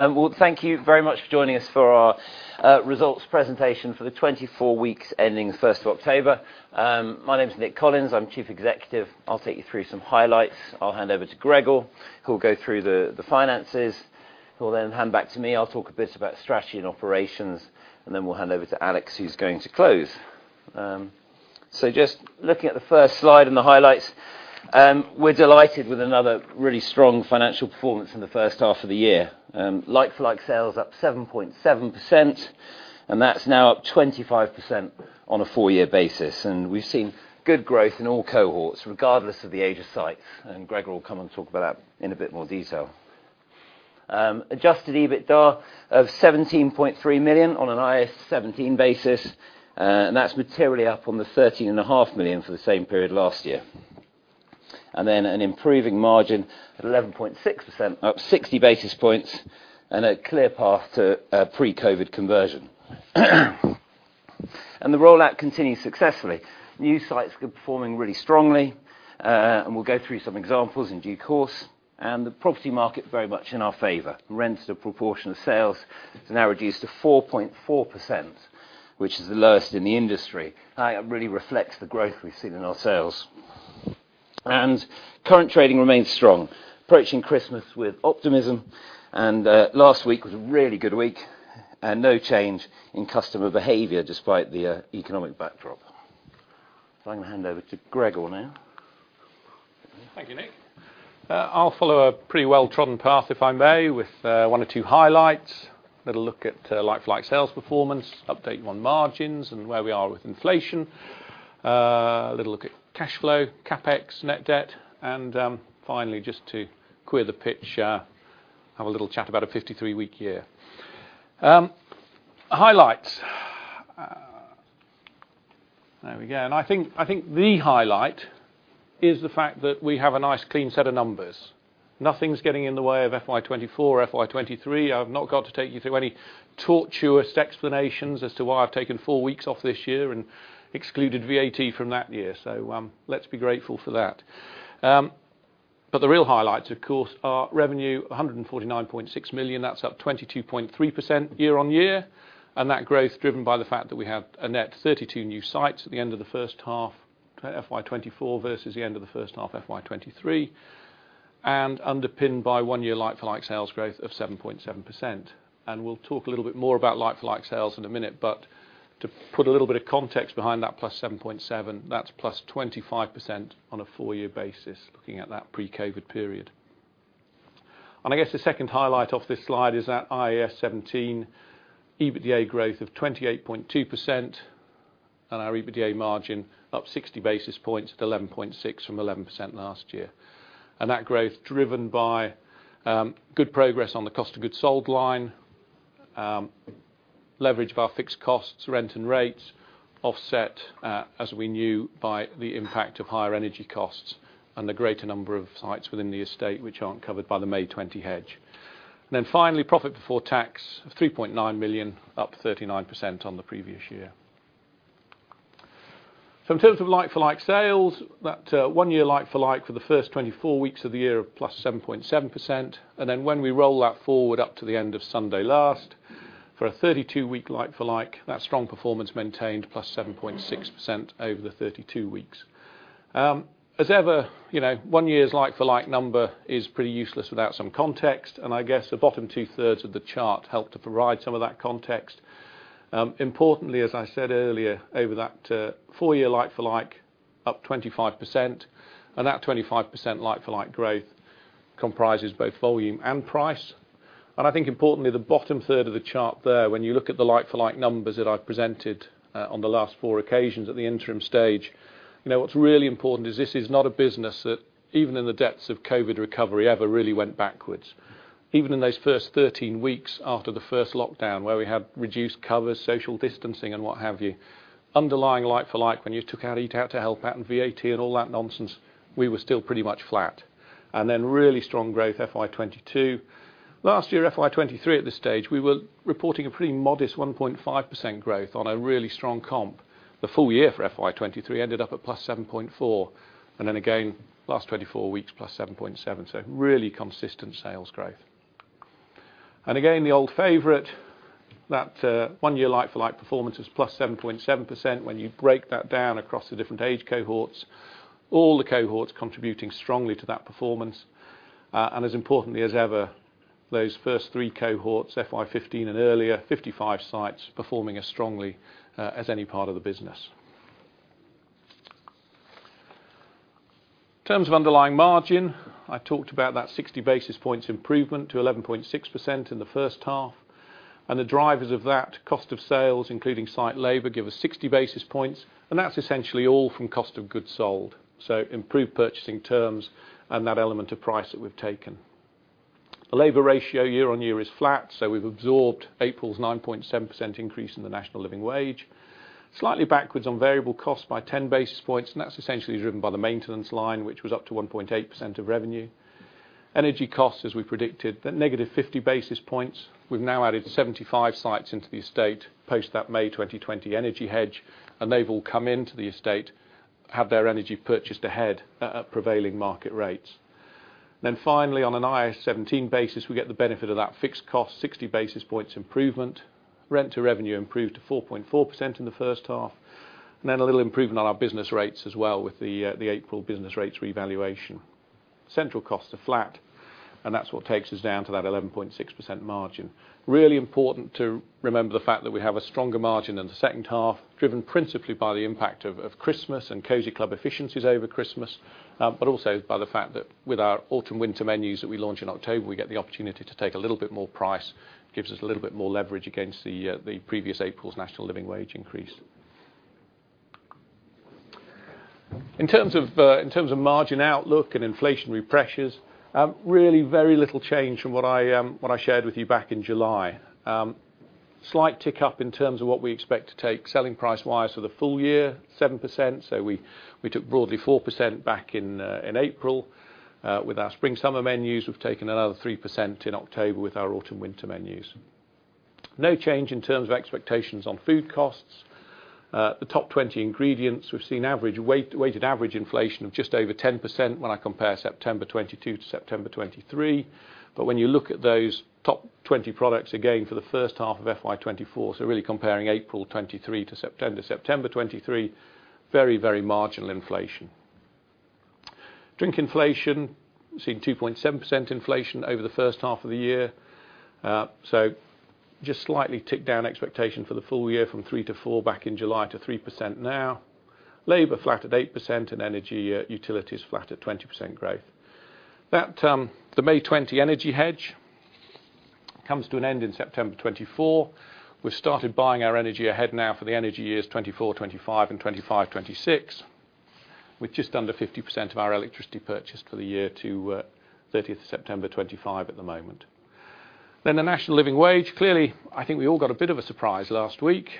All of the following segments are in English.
Well, thank you very much for joining us for our results presentation for the 24 weeks ending first of October. My name is Nick Collins, I'm Chief Executive. I'll take you through some highlights. I'll hand over to Gregor, who will go through the finances. He'll then hand back to me, I'll talk a bit about strategy and operations, and then we'll hand over to Alex, who's going to close. So just looking at the first slide and the highlights, we're delighted with another really strong financial performance in the first half of the year. Like-for-like sales up 7.7%, and that's now up 25% on a four-year basis. We've seen good growth in all cohorts, regardless of the age of sites, and Gregor will come and talk about that in a bit more detail. Adjusted EBITDA of 17.3 million on an IAS 17 basis, and that's materially up from the 13.5 million for the same period last year. And then an improving margin at 11.6%, up 60 basis points, and a clear path to a pre-COVID conversion. And the rollout continues successfully. New sites are performing really strongly, and we'll go through some examples in due course. And the property market very much in our favor. Rents to proportion of sales are now reduced to 4.4%, which is the lowest in the industry. That really reflects the growth we've seen in our sales. And current trading remains strong, approaching Christmas with optimism, and last week was a really good week, and no change in customer behavior despite the economic backdrop. I'm going to hand over to Gregor now. Thank you, Nick. I'll follow a pretty well-trodden path, if I may, with one or two highlights, little look at like-for-like sales performance, update on margins and where we are with inflation. A little look at cash flow, CapEx, net debt, and finally, just to clear the pitch, have a little chat about a 53-week year. Highlights. There we go, and I think the highlight is the fact that we have a nice, clean set of numbers. Nothing's getting in the way of FY 2024, FY 2023. I've not got to take you through any tortuous explanations as to why I've taken four weeks off this year and excluded VAT from that year, so let's be grateful for that. The real highlights, of course, are revenue, 149.6 million. That's up 22.3% YoY, and that growth driven by the fact that we have a net 32 new sites at the end of the first half, FY 2024, versus the end of the first half, FY 2023, and underpinned by one year like-for-like sales growth of 7.7%. And we'll talk a little bit more about like-for-like sales in a minute, but to put a little bit of context behind that plus 7.7, that's plus 25% on a 4-year basis, looking at that pre-COVID period. And I guess the second highlight off this slide is that IAS 17, EBITDA growth of 28.2%, and our EBITDA margin up 60 basis points at 11.6 from 11% last year. And that growth, driven by good progress on the cost of goods sold line, leverage of our fixed costs, rent and rates, offset, as we knew, by the impact of higher energy costs and the greater number of sites within the estate, which aren't covered by the May 2020 hedge. Then finally, profit before tax, 3.9 million, up 39% on the previous year. So in terms of like-for-like sales, that one-year like-for-like for the first 24 weeks of the year of +7.7%, and then when we roll that forward up to the end of Sunday last, for a 32-week like-for-like, that strong performance maintained +7.6% over the 32 weeks. As ever, you know, one year's like-for-like number is pretty useless without some context, and I guess the bottom two-thirds of the chart help to provide some of that context. Importantly, as I said earlier, over that four-year like-for-like, up 25%, and that 25% like-for-like growth comprises both volume and price. And I think importantly, the bottom third of the chart there, when you look at the like-for-like numbers that I've presented on the last four occasions at the interim stage, you know, what's really important is this is not a business that even in the depths of COVID recovery, ever really went backwards. Even in those first 13 weeks after the first lockdown, where we had reduced covers, social distancing, and what have you, underlying like-for-like, when you took out Eat Out to Help Out and VAT and all that nonsense, we were still pretty much flat. Then really strong growth, FY 2022. Last year, FY 2023, at this stage, we were reporting a pretty modest 1.5% growth on a really strong comp. The full year for FY 2023 ended up at +7.4, and then again, last 24 weeks, +7.7. Really consistent sales growth. Again, the old favorite, that, one year like-for-like performance is +7.7%. When you break that down across the different age cohorts, all the cohorts contributing strongly to that performance, and as importantly as ever, those first three cohorts, FY 15 and earlier, 55 sites, performing as strongly, as any part of the business. In terms of underlying margin, I talked about that 60 basis points improvement to 11.6% in the first half, and the drivers of that cost of sales, including site labor, give us 60 basis points, and that's essentially all from cost of goods sold, so improved purchasing terms and that element of price that we've taken. The labor ratio YoY is flat, so we've absorbed April's 9.7% increase in the National Living Wage. Slightly backwards on variable costs by 10 basis points, and that's essentially driven by the maintenance line, which was up to 1.8% of revenue. Energy costs, as we predicted, they're negative 50 basis points. We've now added 75 sites into the estate, post that May 2020 energy hedge, and they've all come into the estate have their energy purchased ahead at prevailing market rates. Then finally, on an IAS 17 basis, we get the benefit of that fixed cost, 60 basis points improvement. Rent to revenue improved to 4.4% in the first half, and then a little improvement on our business rates as well with the the April business rates revaluation. Central costs are flat, and that's what takes us down to that 11.6% margin. Really important to remember the fact that we have a stronger margin in the second half, driven principally by the impact of Christmas and Cosy Club efficiencies over Christmas, but also by the fact that with our autumn/winter menus that we launch in October, we get the opportunity to take a little bit more price, gives us a little bit more leverage against the previous April's National Living Wage increase. In terms of margin outlook and inflationary pressures, really very little change from what I shared with you back in July. Slight tick up in terms of what we expect to take selling price wise for the full year, 7%. So we took broadly 4% back in April. With our spring/summer menus, we've taken another 3% in October with our autumn/winter menus. No change in terms of expectations on food costs. The top 20 ingredients, we've seen average weighted average inflation of just over 10% when I compare September 2022 to September 2023. But when you look at those top 20 products, again, for the first half of FY 2024, so really comparing April 2023 to September 2023, very, very marginal inflation. Drink inflation, seeing 2.7% inflation over the first half of the year. So just slightly tick down expectation for the full year from 3%-4% back in July to 3% now. Labor, flat at 8%, and energy, utilities, flat at 20% growth. That, the May 2020 energy hedge comes to an end in September 2024. We've started buying our energy ahead now for the energy years 2024/2025 and 2025/2026, with just under 50% of our electricity purchase for the year to September 30th, 2025 at the moment. Then the National Living Wage. Clearly, I think we all got a bit of a surprise last week.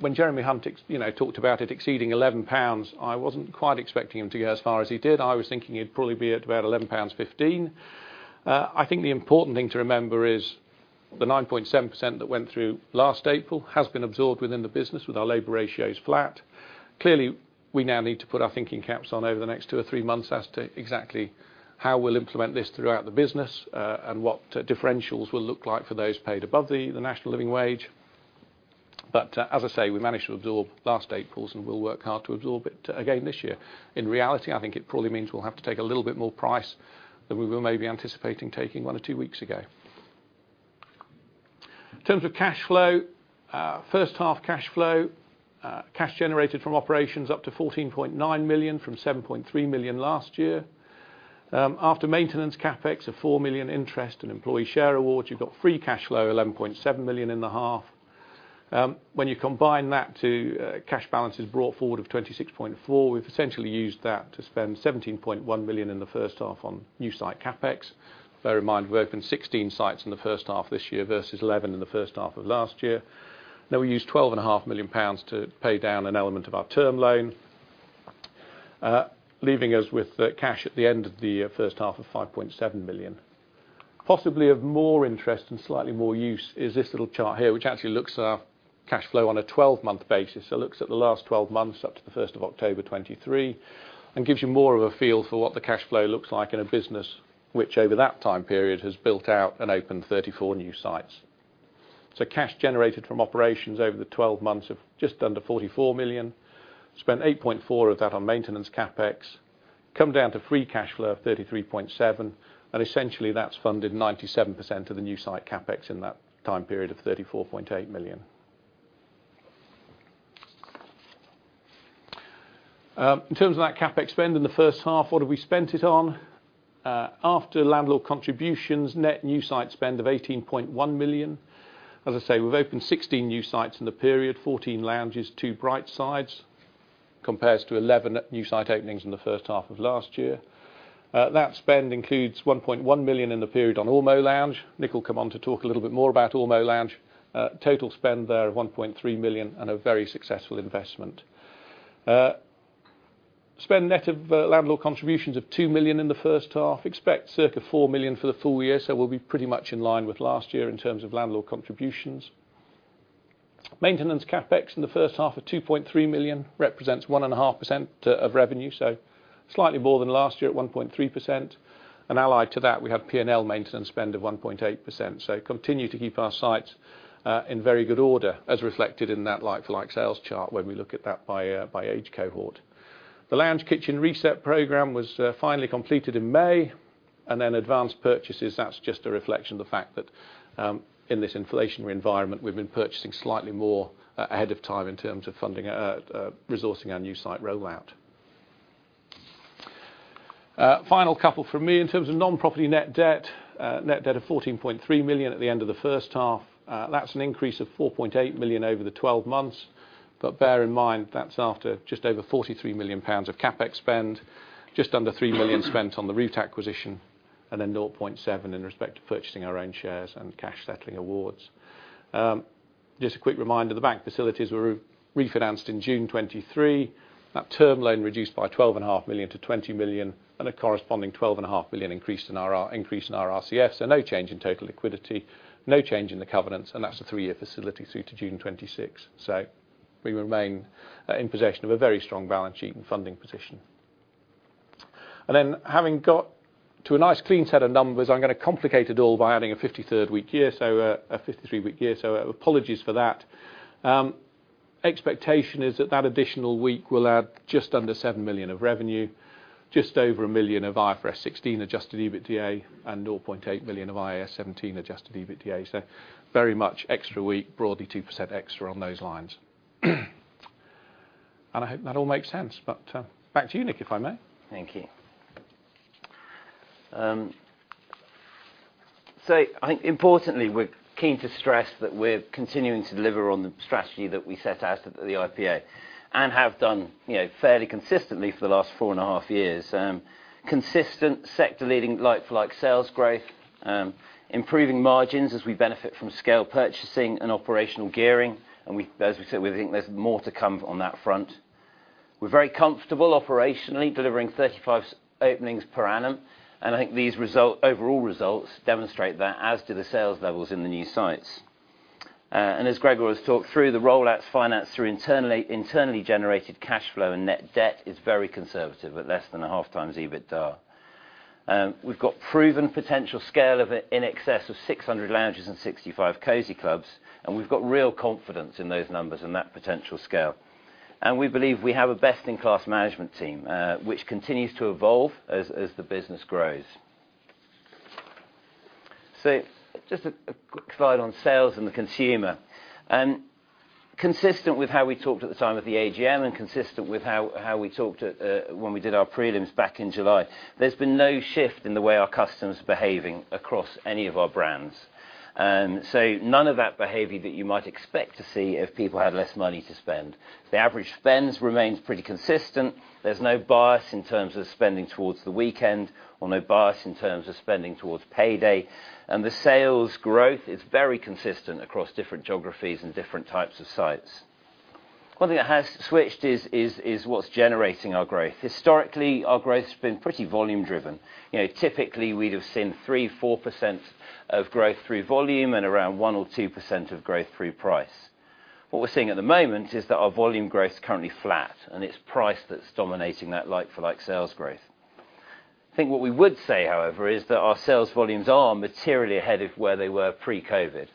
When Jeremy Hunt ex- you know, talked about it exceeding 11 pounds, I wasn't quite expecting him to go as far as he did. I was thinking he'd probably be at about 11.15 pounds. I think the important thing to remember is the 9.7% that went through last April has been absorbed within the business, with our labor ratios flat. Clearly, we now need to put our thinking caps on over the next two or three months as to exactly how we'll implement this throughout the business, and what differentials will look like for those paid above the National Living Wage. But, as I say, we managed to absorb last April's, and we'll work hard to absorb it again this year. In reality, I think it probably means we'll have to take a little bit more price than we were maybe anticipating taking one or two weeks ago. In terms of cash flow, first half cash flow, cash generated from operations up to 14.9 million from 7.3 million last year. After maintenance CapEx of 4 million interest and employee share awards, you've got free cash flow, 11.7 million in the half. When you combine that to cash balances brought forward of 26.4 million, we've essentially used that to spend 17.1 million in the first half on new site CapEx. Bear in mind, we've opened 16 sites in the first half of this year versus 11 in the first half of last year. Now, we used 12.5 million pounds to pay down an element of our term loan, leaving us with cash at the end of the first half of 5.7 million. Possibly of more interest and slightly more use is this little chart here, which actually looks at our cash flow on a 12-month basis. It looks at the last 12 months, up to the first of October 2023, and gives you more of a feel for what the cash flow looks like in a business, which over that time period has built out and opened 34 new sites. So cash generated from operations over the 12 months of just under 44 million, spent 8.4 of that on maintenance CapEx, come down to free cash flow of 33.7, and essentially, that's funded 97% of the new site CapEx in that time period of 34.8 million. In terms of that CapEx spend in the first half, what have we spent it on? After landlord contributions, net new site spend of 18.1 million. As I say, we've opened 16 new sites in the period, 14 lounges, two Brightsides, compares to 11 new site openings in the first half of last year. That spend includes 1.1 million in the period on Ormo Lounge. Nick will come on to talk a little bit more about Ormo Lounge. Total spend there of 1.3 million, and a very successful investment. Spend net of landlord contributions of 2 million in the first half. Expect circa 4 million for the full year, so we'll be pretty much in line with last year in terms of landlord contributions. Maintenance CapEx in the first half of 2.3 million, represents 1.5% of revenue, so slightly more than last year at 1.3%. And allied to that, we have P&L maintenance spend of 1.8%, so continue to keep our sites in very good order, as reflected in that like-for-like sales chart when we look at that by age cohort. The Lounge Kitchen Reset program was finally completed in May, and then advanced purchases, that's just a reflection of the fact that in this inflationary environment, we've been purchasing slightly more ahead of time in terms of funding resourcing our new site rollout. Final couple from me. In terms of non-property net debt, net debt of 14.3 million at the end of the first half. That's an increase of 4.8 million over the twelve months, but bear in mind, that's after just over 43 million pounds of CapEx spend, just under 3 million spent on the Route acquisition, and then 0.7 in respect to purchasing our own shares and cash settling awards. Just a quick reminder, the bank facilities were refinanced in June 2023. That term loan reduced by 12.5 million to 20 million, and a corresponding 12.5 million increase in our RCFs. So no change in total liquidity, no change in the covenants, and that's a three-year facility through to June 2026. So we remain in possession of a very strong balance sheet and funding position. And then having got to a nice clean set of numbers, I'm going to complicate it all by adding a 53rd week year, so, a 53-week year, so apologies for that. Expectation is that, that additional week will add just under 7 million of revenue, just over 1 million of IFRS 16 adjusted EBITDA, and 0.8 million of IAS 17 adjusted EBITDA. So very much extra week, broadly 2% extra on those lines. And I hope that all makes sense, but, back to you, Nick, if I may. Thank you. So I think importantly, we're keen to stress that we're continuing to deliver on the strategy that we set out at the IPO, and have done, you know, fairly consistently for the last four and a half years. Consistent sector leading like-for-like sales growth, improving margins as we benefit from scale purchasing and operational gearing, and as we said, we think there's more to come on that front. We're very comfortable operationally, delivering 35 openings per annum, and I think these overall results demonstrate that, as do the sales levels in the new sites. And as Gregor has talked through, the roll out to finance through internally generated cash flow and net debt is very conservative, at less than a half times EBITDA. We've got proven potential scale of it, in excess of 600 Lounges and 65 Cosy Clubs, and we've got real confidence in those numbers and that potential scale. We believe we have a best-in-class management team, which continues to evolve as the business grows. So just a quick slide on sales and the consumer. Consistent with how we talked at the time of the AGM and consistent with how we talked when we did our prelims back in July, there's been no shift in the way our customers are behaving across any of our brands. And so none of that behavior that you might expect to see if people had less money to spend. The average spends remains pretty consistent. There's no bias in terms of spending towards the weekend or no bias in terms of spending towards payday, and the sales growth is very consistent across different geographies and different types of sites. One thing that has switched is what's generating our growth. Historically, our growth has been pretty volume driven. You know, typically, we'd have seen 3%-4% of growth through volume and around 1%-2% of growth through price. What we're seeing at the moment is that our volume growth is currently flat, and it's price that's dominating that like-for-like sales growth. I think what we would say, however, is that our sales volumes are materially ahead of where they were pre-COVID,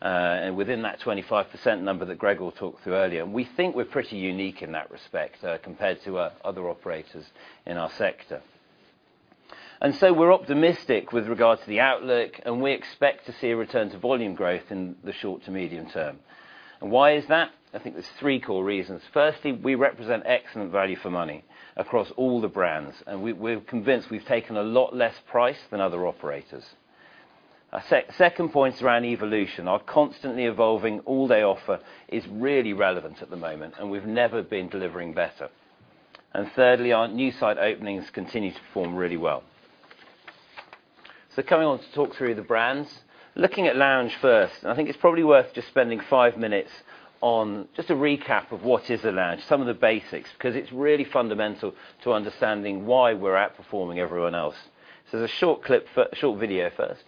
and within that 25% number that Greg will talk through earlier, and we think we're pretty unique in that respect, compared to other operators in our sector. We're optimistic with regards to the outlook, and we expect to see a return to volume growth in the short to medium term. Why is that? I think there's three core reasons. Firstly, we represent excellent value for money across all the brands, and we, we're convinced we've taken a lot less price than other operators. Second point is around evolution. Our constantly evolving all-day offer is really relevant at the moment, and we've never been delivering better. Thirdly, our new site openings continue to perform really well. Coming on to talk through the brands. Looking at Lounge first, and I think it's probably worth just spending five minutes on just a recap of what is a Lounge, some of the basics, 'cause it's really fundamental to understanding why we're outperforming everyone else. There's a short clip, a short video first.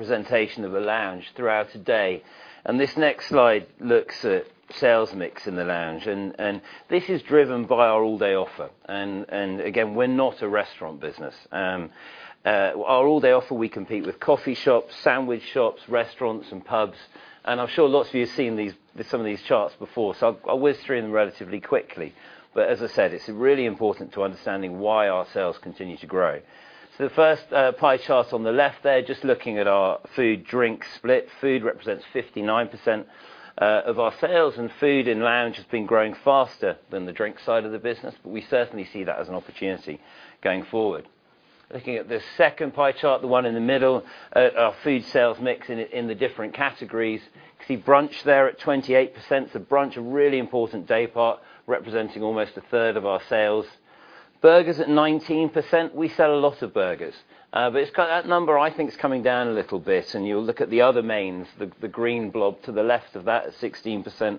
So just a little kind of representation of a Lounge throughout a day. This next slide looks at sales mix in the Lounge, and this is driven by our all-day offer. Again, we're not a restaurant business. Our all-day offer, we compete with coffee shops, sandwich shops, restaurants, and pubs, and I'm sure lots of you have seen these, some of these charts before, so I'll whiz through them relatively quickly. But as I said, it's really important to understanding why our sales continue to grow. So the first pie chart on the left there, just looking at our food, drink split. Food represents 59% of our sales, and food in Lounge has been growing faster than the drink side of the business, but we certainly see that as an opportunity going forward. Looking at the second pie chart, the one in the middle, at our food sales mix in the different categories. You can see brunch there at 28%. So brunch, a really important day part, representing almost a third of our sales. Burgers at 19%. We sell a lot of burgers, but it's got... That number, I think, is coming down a little bit, and you'll look at the other mains, the green blob to the left of that, at 16%.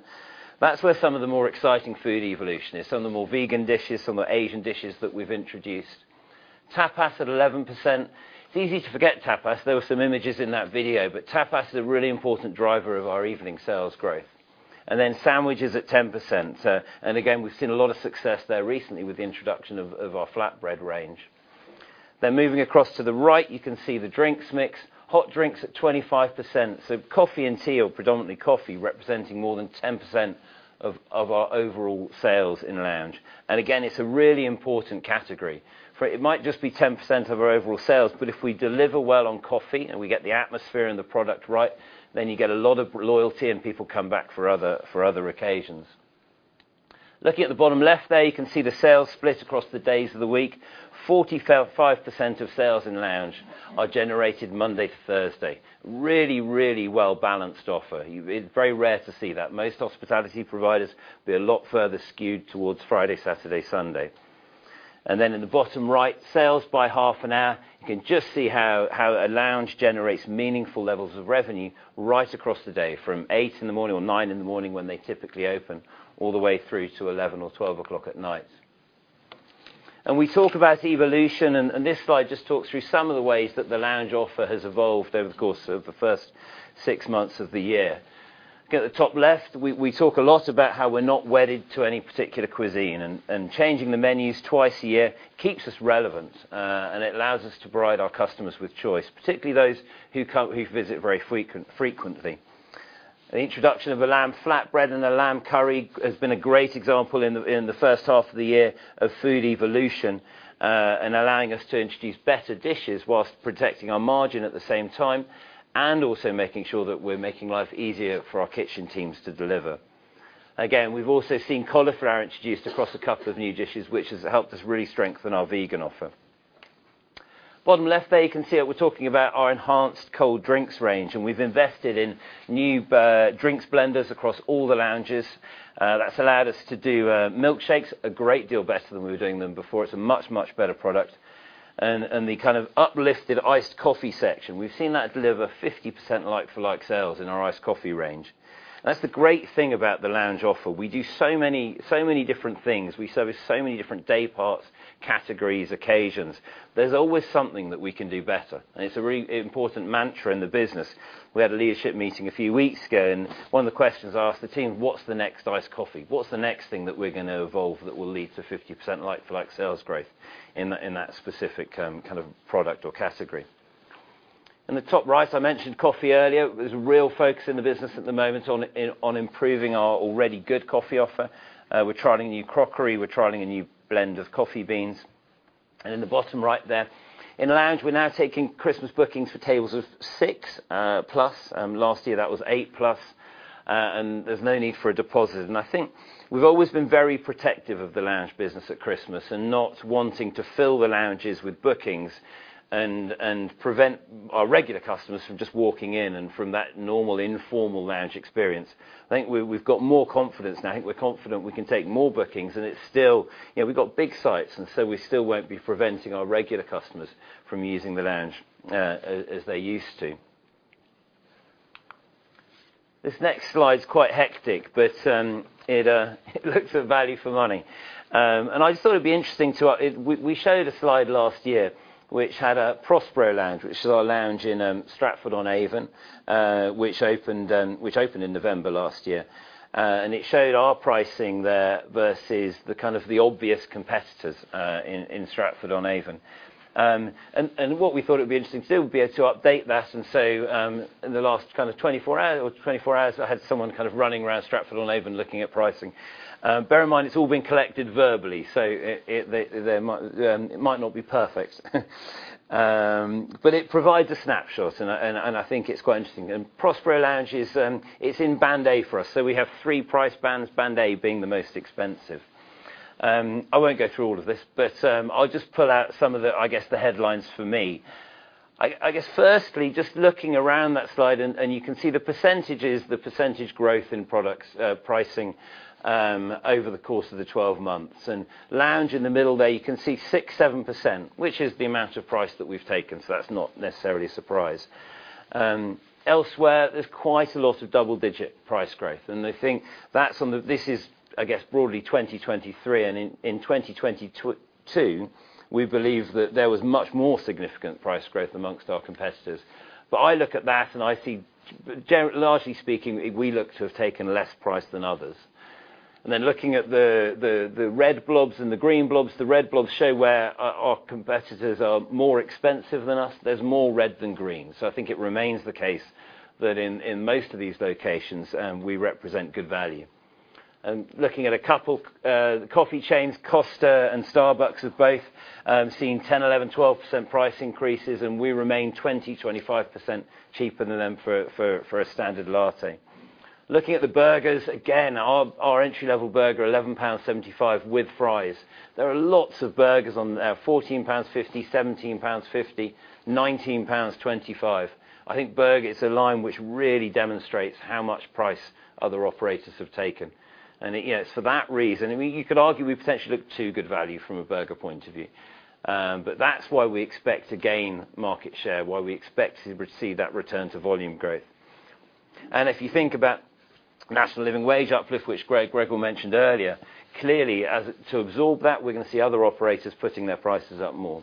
That's where some of the more exciting food evolution is, some of the more vegan dishes, some of the Asian dishes that we've introduced. Tapas at 11%. It's easy to forget tapas. There were some images in that video, but tapas is a really important driver of our evening sales growth. Then sandwiches at 10%, and again, we've seen a lot of success there recently with the introduction of our flatbread range. Then moving across to the right, you can see the drinks mix. Hot drinks at 25%, so coffee and tea, or predominantly coffee, representing more than 10% of our overall sales in Lounge. And again, it's a really important category. For it might just be 10% of our overall sales, but if we deliver well on coffee, and we get the atmosphere and the product right, then you get a lot of loyalty, and people come back for other occasions. Looking at the bottom left there, you can see the sales split across the days of the week. 45% of sales in Lounge are generated Monday to Thursday. Really, really well-balanced offer. It's very rare to see that. Most hospitality providers, be a lot further skewed towards Friday, Saturday, Sunday. And then in the bottom right, sales by half an hour, you can just see how a Lounge generates meaningful levels of revenue right across the day, from 8:00 A.M. or 9:00 A.M., when they typically open, all the way through to 11:00 P.M. or 12:00 midnight. And we talk about evolution, and this slide just talks through some of the ways that the Lounge offer has evolved over the course of the first six months of the year. Again, at the top left, we talk a lot about how we're not wedded to any particular cuisine, and changing the menus twice a year keeps us relevant, and it allows us to provide our customers with choice, particularly those who visit very frequently. The introduction of the lamb flatbread and the lamb curry has been a great example in the first half of the year of food evolution, and allowing us to introduce better dishes while protecting our margin at the same time, and also making sure that we're making life easier for our kitchen teams to deliver. Again, we've also seen cauliflower introduced across a couple of new dishes, which has helped us really strengthen our vegan offer. Bottom left there, you can see that we're talking about our enhanced cold drinks range, and we've invested in new bar drinks blenders across all the lounges. That's allowed us to do milkshakes a great deal better than we were doing them before. It's a much, much better product. And the kind of uplifted iced coffee section, we've seen that deliver 50% like-for-like sales in our iced coffee range. That's the great thing about the lounge offer. We do so many, so many different things. We service so many different day parts, categories, occasions. There's always something that we can do better, and it's a really important mantra in the business. We had a leadership meeting a few weeks ago, and one of the questions I asked the team: What's the next iced coffee? What's the next thing that we're gonna evolve that will lead to 50% like-for-like sales growth in that specific kind of product or category? In the top right, I mentioned coffee earlier. There's a real focus in the business at the moment on improving our already good coffee offer. We're trialing new crockery, we're trialing a new blend of coffee beans. And in the bottom right there, in the Lounge, we're now taking Christmas bookings for tables of six plus. Last year, that was eight plus, and there's no need for a deposit. And I think we've always been very protective of the Lounge business at Christmas, and not wanting to fill the Lounges with bookings and prevent our regular customers from just walking in and from that normal informal Lounge experience. I think we, we've got more confidence now. I think we're confident we can take more bookings, and it's still... You know, we've got big sites, and so we still won't be preventing our regular customers from using the Lounge, as they used to. This next slide's quite hectic, but it looks at value for money. And I just thought it'd be interesting to. We showed a slide last year, which had a Prospero Lounge, which is our Lounge in Stratford-upon-Avon, which opened in November last year. And it showed our pricing there versus the kind of the obvious competitors in Stratford-upon-Avon. And what we thought it'd be interesting to do would be to update that and say, in the last kind of 24 hours, or 24 hours, I had someone kind of running around Stratford-upon-Avon looking at pricing. Bear in mind, it's all been collected verbally, so it might not be perfect. But it provides a snapshot, and I think it's quite interesting. And Prospero Lounge is, it's in Band A for us, so we have three price bands, Band A being the most expensive. I won't go through all of this, but I'll just pull out some of the, I guess, the headlines for me. I guess, firstly, just looking around that slide, and you can see the percentages, the percentage growth in products, pricing, over the course of the 12 months. Lounge in the middle there, you can see 6%-7%, which is the amount of price that we've taken, so that's not necessarily a surprise. Elsewhere, there's quite a lot of double-digit price growth, and I think that's on the broadly 2023, and in 2022, we believe that there was much more significant price growth amongst our competitors. But I look at that, and I see, largely speaking, we look to have taken less price than others. Then looking at the red blobs and the green blobs, the red blobs show where our competitors are more expensive than us. There's more red than green, so I think it remains the case that in most of these locations, we represent good value. Looking at a couple coffee chains, Costa and Starbucks have both seen 10%-12% price increases, and we remain 20%-25% cheaper than them for a standard latte. Looking at the burgers, again, our entry-level burger, 11.75 pounds with fries. There are lots of burgers on there, 14.50 pounds, 17.50 pounds, 19.25 pounds. I think burger is a line which really demonstrates how much price other operators have taken. Yeah, it's for that reason. I mean, you could argue we potentially look too good value from a burger point of view, but that's why we expect to gain market share, why we expect to receive that return to volume growth. If you think about National Living Wage uplift, which Gregor mentioned earlier, clearly, as to absorb that, we're gonna see other operators putting their prices up more.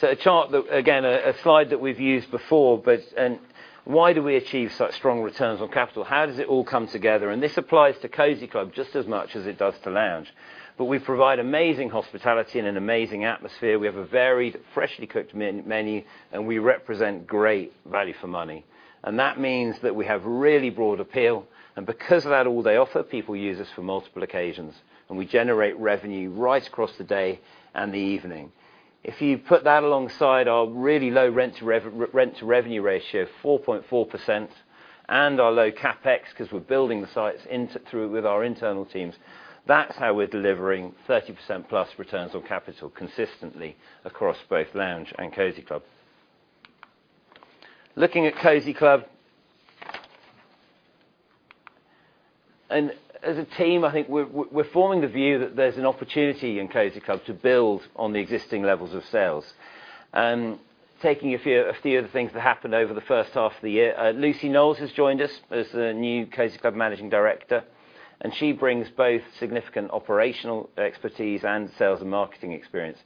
So a chart that, again, a slide that we've used before, but, and why do we achieve such strong returns on capital? How does it all come together? And this applies to Cosy Club just as much as it does to Lounge. But we provide amazing hospitality and an amazing atmosphere. We have a varied, freshly cooked menu, and we represent great value for money. And that means that we have really broad appeal, and because of that all they offer, people use us for multiple occasions, and we generate revenue right across the day and the evening. If you put that alongside our really low rent-to-revenue ratio, 4.4%, and our low CapEx, because we're building the sites into, through with our internal teams, that's how we're delivering 30%+ returns on capital consistently across both Lounge and Cosy Club. Looking at Cosy Club, and as a team, I think we're forming the view that there's an opportunity in Cosy Club to build on the existing levels of sales. Taking a few of the things that happened over the first half of the year, Lucy Knowles has joined us as the new Cosy Club Managing Director, and she brings both significant operational expertise and sales and marketing experience.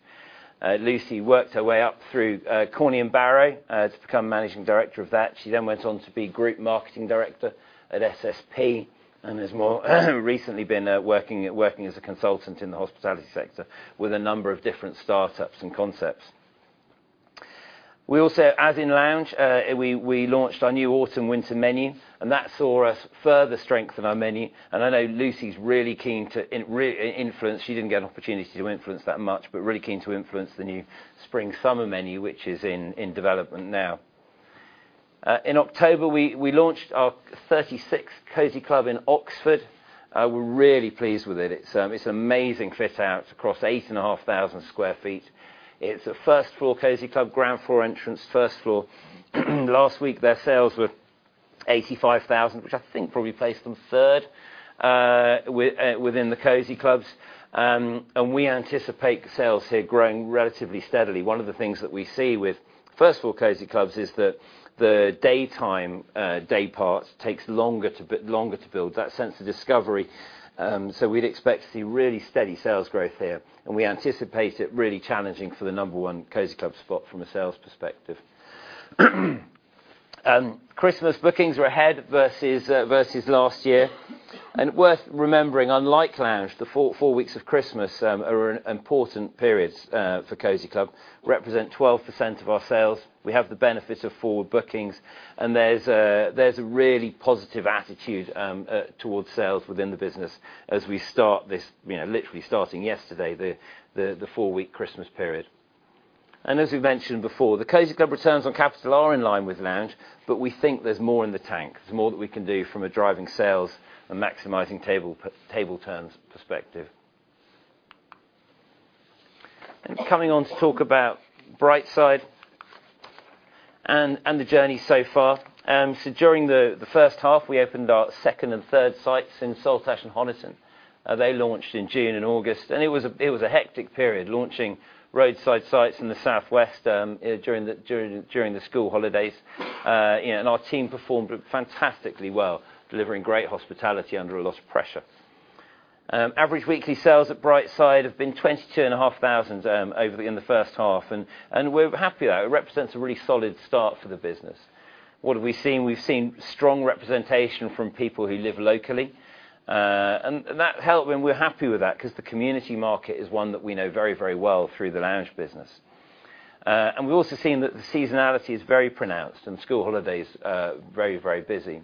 Lucy worked her way up through Corney & Barrow to become Managing Director of that. She then went on to be Group Marketing Director at SSP, and has more recently been working as a consultant in the hospitality sector with a number of different startups and concepts. We also, as in Lounge, we launched our new autumn/winter menu, and that saw us further strengthen our menu. I know Lucy's really keen to influence. She didn't get an opportunity to influence that much, but really keen to influence the new spring/summer menu, which is in development now. In October, we launched our 36th Cosy Club in Oxford. We're really pleased with it. It's an amazing fit out across 8,500 sq ft. It's a first-floor Cosy Club, ground floor entrance, first floor. Last week, their sales were 85,000, which I think probably placed them third within the Cosy Clubs. We anticipate sales here growing relatively steadily. One of the things that we see with first-floor Cosy Clubs is that the daytime day part takes longer to build that sense of discovery. We'd expect to see really steady sales growth here, and we anticipate it really challenging for the number one Cosy Club spot from a sales perspective. Christmas bookings are ahead versus last year. Worth remembering, unlike Lounge, the four weeks of Christmas are an important period for Cosy Club, represent 12% of our sales. We have the benefit of forward bookings, and there's a really positive attitude towards sales within the business as we start this, you know, literally starting yesterday, the four-week Christmas period. And as we've mentioned before, the Cosy Club returns on capital are in line with Lounge, but we think there's more in the tank. There's more that we can do from a driving sales and maximizing table turns perspective. And coming on to talk about Brightside and the journey so far. So during the first half, we opened our second and third sites in Saltash and Honiton. They launched in June and August, and it was a hectic period, launching roadside sites in the southwest during the school holidays. And our team performed fantastically well, delivering great hospitality under a lot of pressure. Average weekly sales at Brightside have been 22,500 in the first half, and we're happy with that. It represents a really solid start for the business. What have we seen? We've seen strong representation from people who live locally, and that helped, and we're happy with that because the community market is one that we know very, very well through the Lounge business. And we've also seen that the seasonality is very pronounced in school holidays, very, very busy.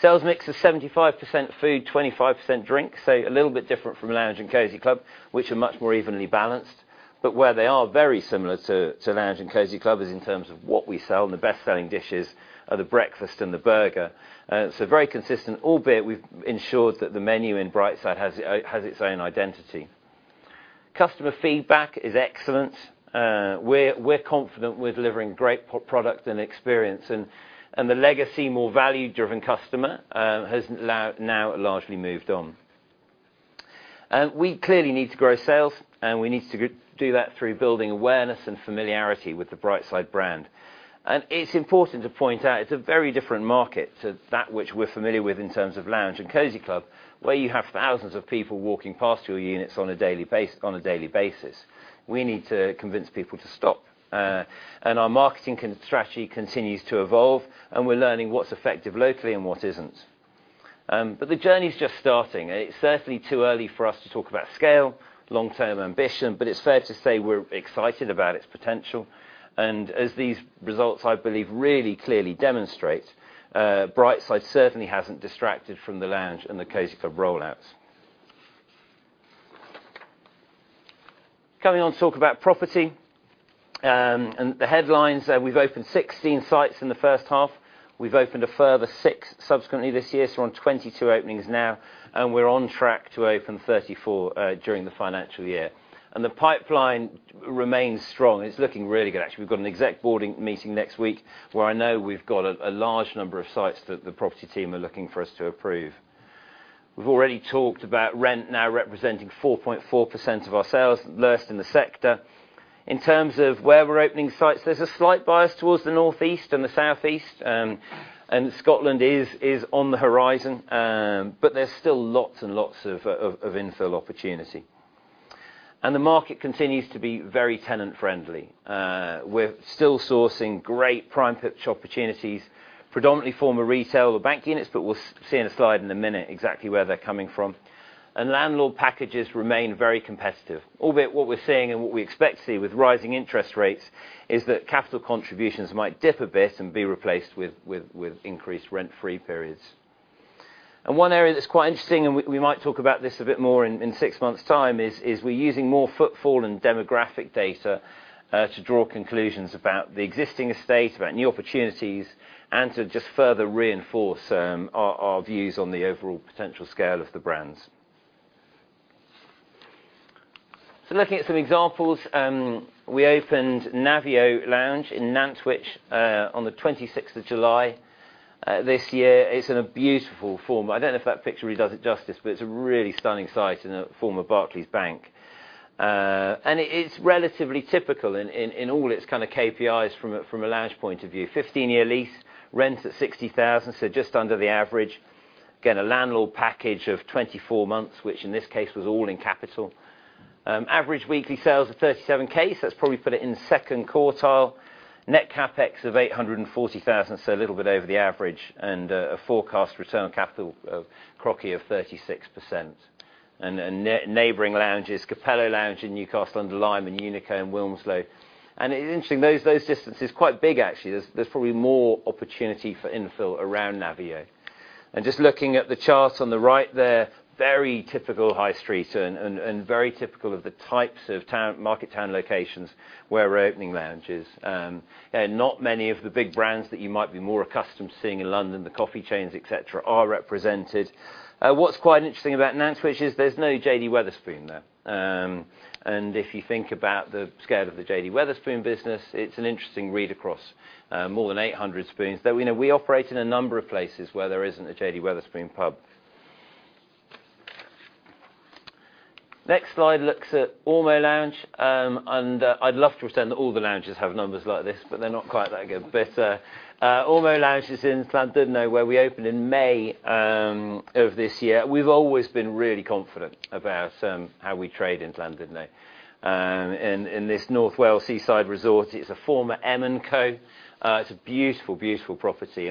Sales mix is 75% food, 25% drink, so a little bit different from Lounge and Cosy Club, which are much more evenly balanced. But where they are very similar to Lounge and Cosy Club is in terms of what we sell, and the best-selling dishes are the breakfast and the burger. So very consistent, albeit we've ensured that the menu in Brightside has its own identity. Customer feedback is excellent. We're confident we're delivering great product and experience, and the legacy, more value-driven customer has now largely moved on. We clearly need to grow sales, and we need to do that through building awareness and familiarity with the Brightside brand. It's important to point out, it's a very different market to that which we're familiar with in terms of Lounge and Cosy Club, where you have thousands of people walking past your units on a daily basis. We need to convince people to stop, and our marketing strategy continues to evolve, and we're learning what's effective locally and what isn't. But the journey's just starting. It's certainly too early for us to talk about scale, long-term ambition, but it's fair to say we're excited about its potential. And as these results, I believe, really clearly demonstrate, Brightside certainly hasn't distracted from the Lounge and the Cosy Club rollouts. Coming on to talk about property, and the headlines, we've opened 16 sites in the first half. We've opened a further six subsequently this year, so we're on 22 openings now, and we're on track to open 34 during the financial year. And the pipeline remains strong. It's looking really good, actually. We've got an exec board meeting next week, where I know we've got a large number of sites that the property team are looking for us to approve. We've already talked about rent now representing 4.4% of our sales, lowest in the sector. In terms of where we're opening sites, there's a slight bias towards the northeast and the southeast, and Scotland is on the horizon, but there's still lots and lots of infill opportunity. The market continues to be very tenant-friendly. We're still sourcing great prime pitch opportunities, predominantly former retail or bank units, but we'll see in a slide in a minute exactly where they're coming from. Landlord packages remain very competitive, albeit what we're seeing and what we expect to see with rising interest rates is that capital contributions might dip a bit and be replaced with increased rent-free periods. One area that's quite interesting, and we might talk about this a bit more in six months' time, is we're using more footfall and demographic data to draw conclusions about the existing estate, about new opportunities, and to just further reinforce our views on the overall potential scale of the brands. So looking at some examples, we opened Navio Lounge in Nantwich on the twenty-sixth of July this year. It's in a beautiful former... I don't know if that picture does it justice, but it's a really stunning site in a former Barclays Bank. It's relatively typical in all its kind of KPIs from a Lounge point of view. 15-year lease, rent at 60,000, so just under the average. Again, a landlord package of 24 months, which in this case was all in capital. Average weekly sales of 37,000, so that's probably put it in second quartile. Net CapEx of 840,000, so a little bit over the average, and a forecast return on capital of CROCI of 36%. And neighboring Lounges, Cappello Lounge in Newcastle-under-Lyme and Unico in Wilmslow. And it's interesting, those distances, quite big actually. There's probably more opportunity for infill around Navio. Just looking at the chart on the right there, very typical high street, and very typical of the types of town, market town locations where we're opening Lounges. And not many of the big brands that you might be more accustomed to seeing in London, the coffee chains, et cetera, are represented. What's quite interesting about Nantwich is there's no JD Wetherspoon there. And if you think about the scale of the JD Wetherspoon business, it's an interesting read across, more than 800 Spoons, though, you know, we operate in a number of places where there isn't a JD Wetherspoon pub. Next slide looks at Ormo Lounge, and I'd love to pretend that all the Lounges have numbers like this, but they're not quite that good. But Ormo Lounge is in Llandudno, where we opened in May of this year. We've always been really confident about how we trade in Llandudno in this North Wales seaside resort. It's a former M&Co. It's a beautiful, beautiful property,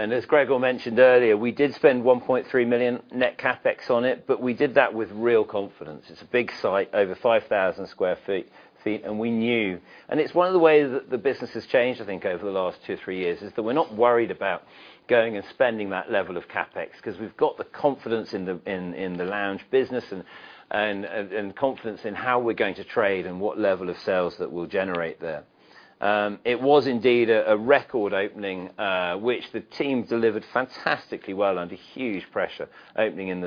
and as Gregor mentioned earlier, we did spend 1.3 million net CapEx on it, but we did that with real confidence. It's a big site, over 5,000 sq ft, and we knew... And it's one of the ways that the business has changed, I think, over the last 2-3 years, is that we're not worried about going and spending that level of CapEx, 'cause we've got the confidence in the lounge business and confidence in how we're going to trade and what level of sales that we'll generate there. It was indeed a record opening, which the team delivered fantastically well under huge pressure, opening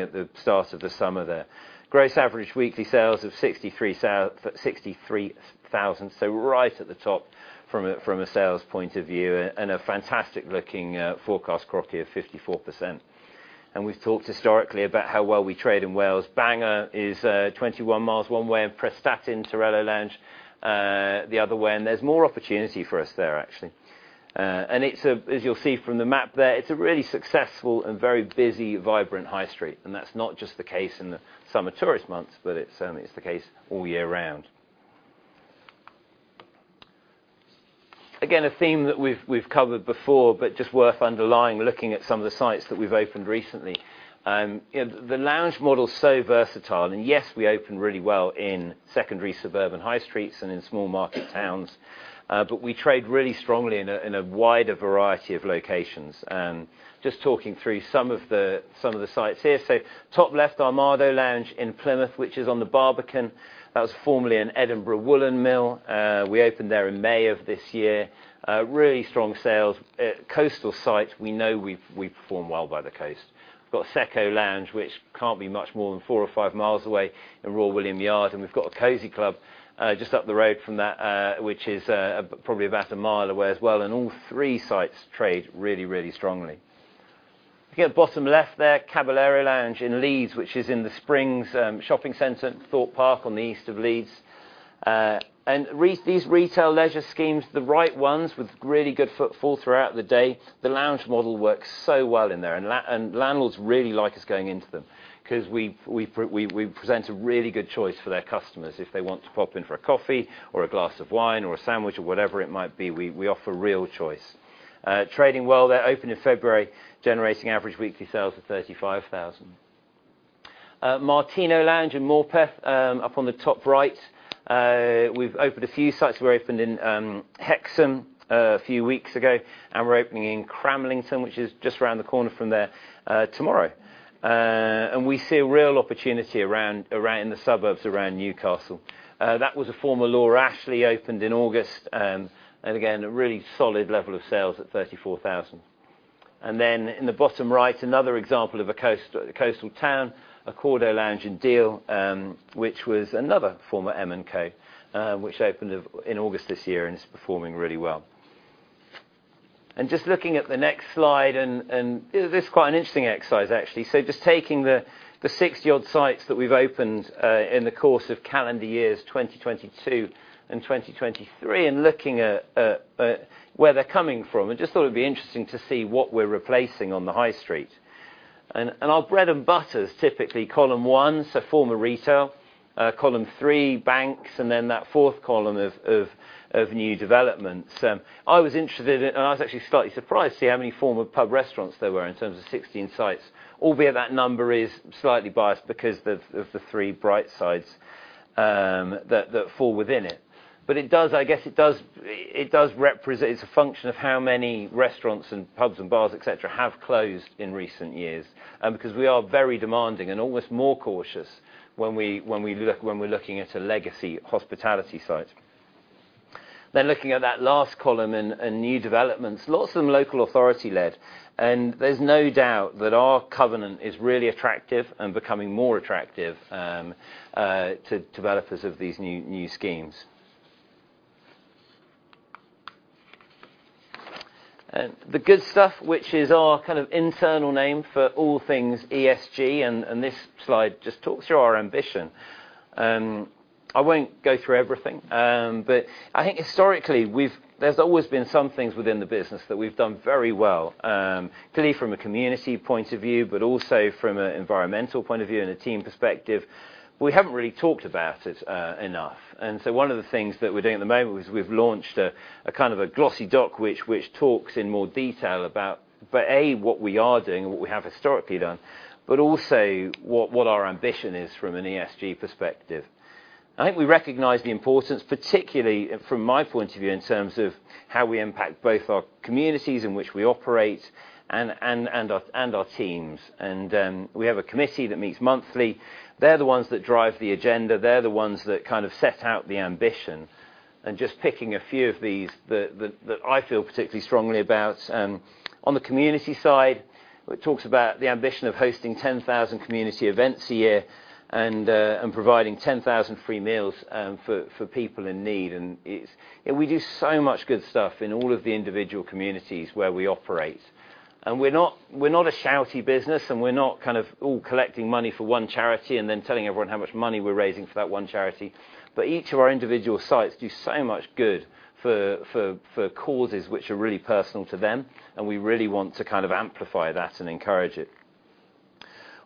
at the start of the summer there. Gross average weekly sales of 63,000, so right at the top from a sales point of view, and a fantastic-looking forecast CROCI of 54%. And we've talked historically about how well we trade in Wales. Bangor is 21 miles one way, and Prestatyn, Torello Lounge, the other way, and there's more opportunity for us there, actually. And it's, as you'll see from the map there, it's a really successful and very busy, vibrant high street, and that's not just the case in the summer tourist months, but it certainly is the case all year round. Again, a theme that we've covered before, but just worth underlining, looking at some of the sites that we've opened recently. You know, the Lounge model is so versatile, and yes, we open really well in secondary suburban high streets and in small market towns, but we trade really strongly in a wider variety of locations. Just talking through some of the sites here. So top left, Armado Lounge in Plymouth, which is on the Barbican. That was formerly an Edinburgh Woollen Mill. We opened there in May of this year. Really strong sales. Coastal site, we know we perform well by the coast. We've got Seco Lounge, which can't be much more than four or five miles away in Royal William Yard, and we've got a Cosy Club just up the road from that, which is probably about a mile away as well, and all three sites trade really, really strongly. If you look at the bottom left there, Caballero Lounge in Leeds, which is in The Springs Shopping Centre, Thorpe Park on the east of Leeds. And these retail leisure schemes, the right ones with really good footfall throughout the day, the Lounge model works so well in there, and landlords really like us going into them 'cause we present a really good choice for their customers. If they want to pop in for a coffee or a glass of wine or a sandwich or whatever it might be, we, we offer real choice. Trading well there, opened in February, generating average weekly sales of 35 thousand. Martino Lounge in Morpeth, up on the top right. We've opened a few sites. We opened in Hexham a few weeks ago, and we're opening in Cramlington, which is just around the corner from there, tomorrow. And we see a real opportunity around in the suburbs around Newcastle. That was a former Laura Ashley, opened in August, and again, a really solid level of sales at 34 thousand. And then in the bottom right, another example of a coastal town, Accordo Lounge in Deal, which was another former M&Co, which opened in August this year and is performing really well. And just looking at the next slide, and this is quite an interesting exercise, actually. So just taking the 60-odd sites that we've opened in the course of calendar years 2022 and 2023, and looking at where they're coming from. I just thought it'd be interesting to see what we're replacing on the high street... And our bread and butter is typically column one, so former retail, column three, banks, and then that fourth column of new developments. I was interested in, and I was actually slightly surprised to see how many former pub restaurants there were in terms of 16 sites, albeit that number is slightly biased because of the three Brightside's that fall within it. But it does, I guess, it does, it does represent. It's a function of how many restaurants and pubs and bars, et cetera, have closed in recent years, because we are very demanding and almost more cautious when we, when we look, when we're looking at a legacy hospitality site. Then looking at that last column in new developments, lots of them local authority-led, and there's no doubt that our covenant is really attractive and becoming more attractive to developers of these new schemes. The Good Stuff, which is our kind of internal name for all things ESG, and this slide just talks through our ambition. I won't go through everything, but I think historically, we've, there's always been some things within the business that we've done very well, clearly from a community point of view, but also from an environmental point of view and a team perspective. We haven't really talked about it enough, and so one of the things that we're doing at the moment is we've launched a kind of glossy doc, which talks in more detail about, but A, what we are doing and what we have historically done, but also what our ambition is from an ESG perspective. I think we recognize the importance, particularly from my point of view, in terms of how we impact both our communities in which we operate and our teams. We have a committee that meets monthly. They're the ones that drive the agenda, they're the ones that kind of set out the ambition. Just picking a few of these that I feel particularly strongly about, on the community side, it talks about the ambition of hosting 10,000 community events a year and providing 10,000 free meals for people in need. We do so much good stuff in all of the individual communities where we operate. We're not, we're not a shouty business, and we're not kind of all collecting money for one charity and then telling everyone how much money we're raising for that one charity. But each of our individual sites do so much good for causes which are really personal to them, and we really want to kind of amplify that and encourage it.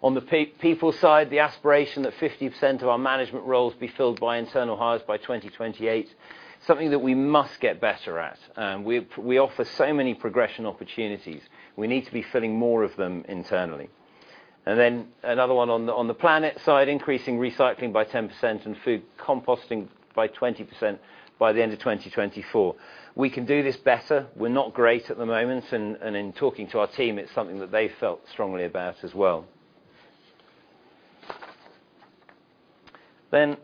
On the people side, the aspiration that 50% of our management roles be filled by internal hires by 2028, something that we must get better at. We offer so many progression opportunities, we need to be filling more of them internally. Then another one on the planet side, increasing recycling by 10% and food composting by 20% by the end of 2024. We can do this better. We're not great at the moment, and in talking to our team, it's something that they felt strongly about as well. Then,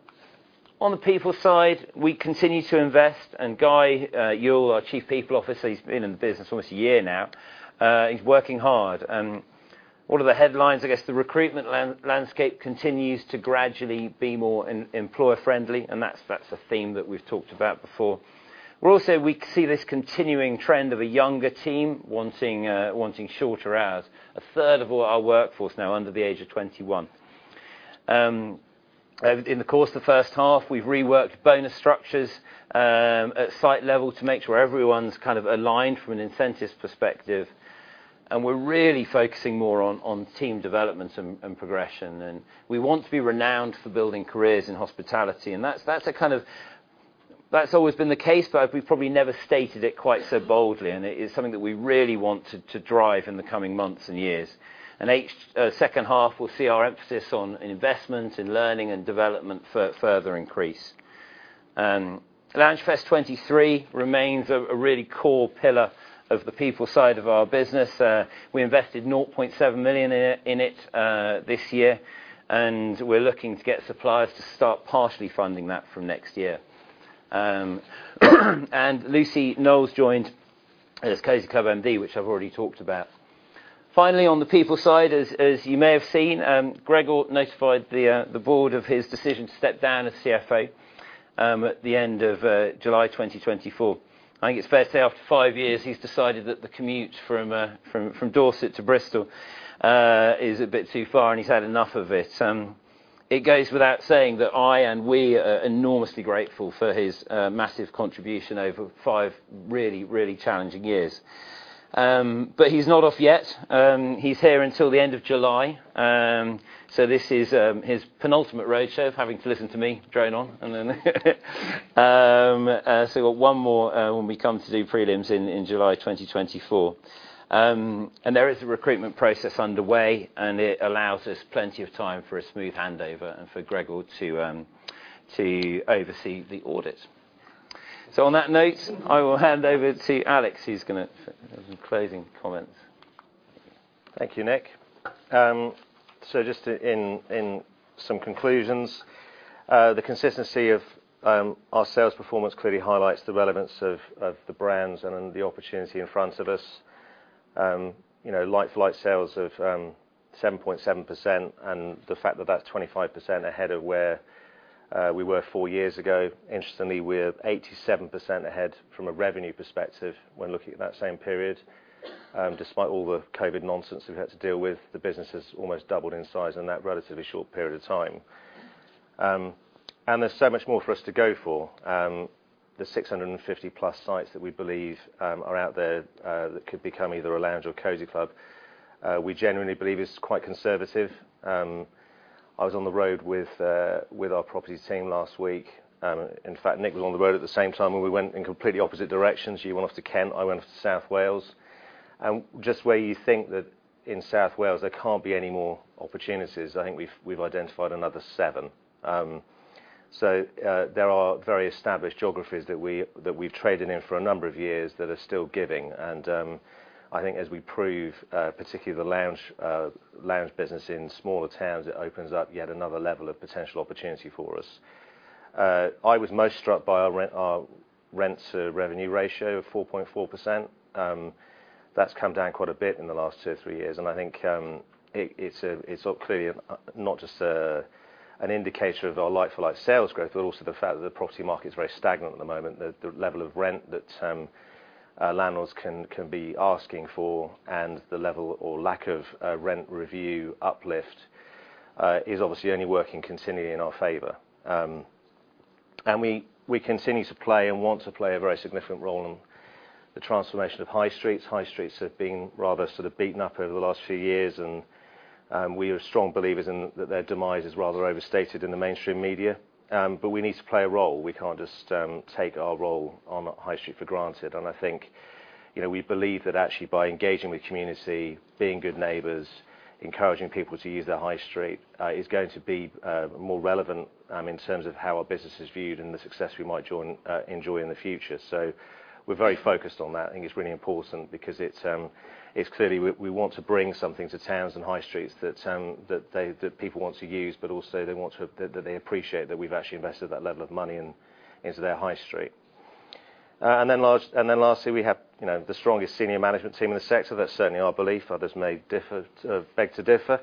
on the people side, we continue to invest, and Guy Youll, our Chief People Officer, he's been in the business almost a year now, he's working hard. What are the headlines? I guess the recruitment landscape continues to gradually be more employer friendly, and that's a theme that we've talked about before. We see this continuing trend of a younger team wanting shorter hours. A third of all our workforce now under the age of 21. In the course of the first half, we've reworked bonus structures at site level to make sure everyone's kind of aligned from an incentives perspective, and we're really focusing more on team development and progression. And we want to be renowned for building careers in hospitality, and that's, that's a kind of... That's always been the case, but we've probably never stated it quite so boldly, and it is something that we really want to, to drive in the coming months and years. Second half, we'll see our emphasis on investment in learning and development further increase. Loungefest 2023 remains a really core pillar of the people side of our business. We invested 0.7 million in it this year, and we're looking to get suppliers to start partially funding that from next year. And Lucy Knowles joined as Cosy Club MD, which I've already talked about. Finally, on the people side, as you may have seen, Gregor notified the board of his decision to step down as CFO, at the end of July 2024. I think it's fair to say after five years, he's decided that the commute from Dorset to Bristol is a bit too far, and he's had enough of it. It goes without saying that I and we are enormously grateful for his massive contribution over five really, really challenging years. But he's not off yet. He's here until the end of July. So this is his penultimate roadshow of having to listen to me drone on, and then... So we've got one more, when we come to do prelims in July 2024. And there is a recruitment process underway, and it allows us plenty of time for a smooth handover and for Gregor to oversee the audit. So on that note, I will hand over to Alex, who's going to... Some closing comments. Thank you, Nick. So just in some conclusions, the consistency of our sales performance clearly highlights the relevance of the brands and the opportunity in front of us. You know, like-for-like sales of 7.7%, and the fact that that's 25% ahead of where we were four years ago. Interestingly, we're 87% ahead from a revenue perspective when looking at that same period. Despite all the COVID nonsense we've had to deal with, the business has almost doubled in size in that relatively short period of time. And there's so much more for us to go for. There's 650+ sites that we believe are out there that could become either a Lounge or Cosy Club. We generally believe it's quite conservative. I was on the road with our properties team last week. In fact, Nick was on the road at the same time, and we went in completely opposite directions. He went off to Kent, I went off to South Wales. Just where you think that in South Wales there can't be any more opportunities, I think we've identified another 7. So, there are very established geographies that we've traded in for a number of years that are still giving. I think as we prove particularly the Lounge business in smaller towns, it opens up yet another level of potential opportunity for us. I was most struck by our rents-to-revenue ratio of 4.4%. That's come down quite a bit in the last two or three years, and I think it's clearly not just an indicator of our like-for-like sales growth, but also the fact that the property market is very stagnant at the moment. The level of rent that landlords can be asking for and the level or lack of rent review uplift is obviously only working continually in our favor. And we continue to play and want to play a very significant role in the transformation of high streets. High streets have been rather sort of beaten up over the last few years, and we are strong believers in that their demise is rather overstated in the mainstream media. But we need to play a role. We can't just take our role on the high street for granted. And I think, you know, we believe that actually by engaging with community, being good neighbors, encouraging people to use their high street is going to be more relevant in terms of how our business is viewed and the success we might enjoy in the future. So we're very focused on that. I think it's really important because it's clearly we want to bring something to towns and high streets that they, that people want to use, but also that they appreciate that we've actually invested that level of money into their high street. And then lastly, we have, you know, the strongest senior management team in the sector. That's certainly our belief. Others may differ, beg to differ.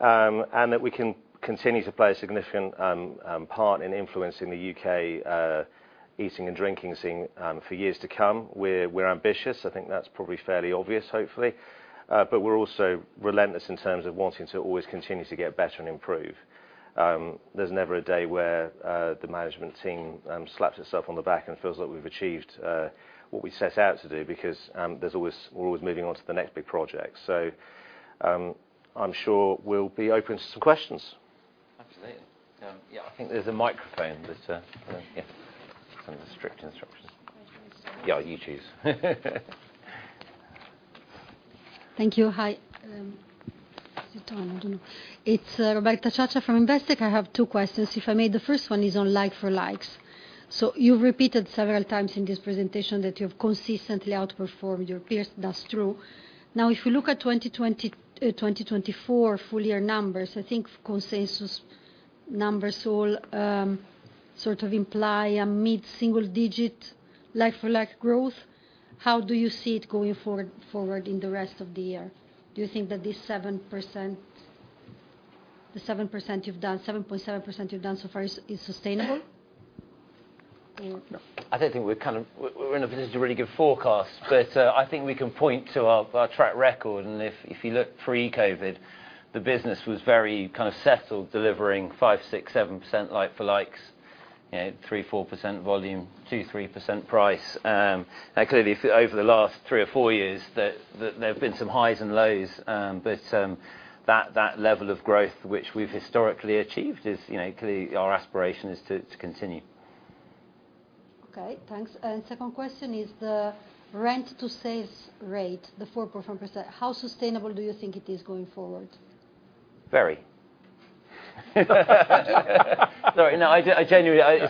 That we can continue to play a significant part in influencing the UK eating and drinking scene for years to come. We're ambitious. I think that's probably fairly obvious, hopefully. But we're also relentless in terms of wanting to always continue to get better and improve. There's never a day where the management team slaps itself on the back and feels like we've achieved what we set out to do because there's always we're always moving on to the next big project. So, I'm sure we'll be open to some questions. Absolutely. Yeah, I think there's a microphone that... Yeah, some strict instructions. I choose? Yeah, you choose. Thank you. Hi, is it on? I don't know. It's Rebecca Sherwin from Investec. I have two questions, if I may. The first one is on like-for-like. So you've repeated several times in this presentation that you've consistently outperformed your peers. That's true. Now, if you look at 2024 full year numbers, I think consensus numbers all sort of imply a mid-single-digit like-for-like growth. How do you see it going forward in the rest of the year? Do you think that this 7%... The 7% you've done, 7.7% you've done so far is sustainable? I don't think we're... We're not positioned to give a really good forecast, but I think we can point to our track record. If you look pre-COVID, the business was very kind of settled, delivering 5%-7% like-for-likes, you know, 3%-4% volume, 2%-3% price. Now, clearly, over the last three or four years, there have been some highs and lows. But that level of growth which we've historically achieved is, you know, clearly our aspiration to continue. Okay, thanks. Second question is the rent-to-sales rate, the 4.4%, how sustainable do you think it is going forward? Very. Sorry. No, I genuinely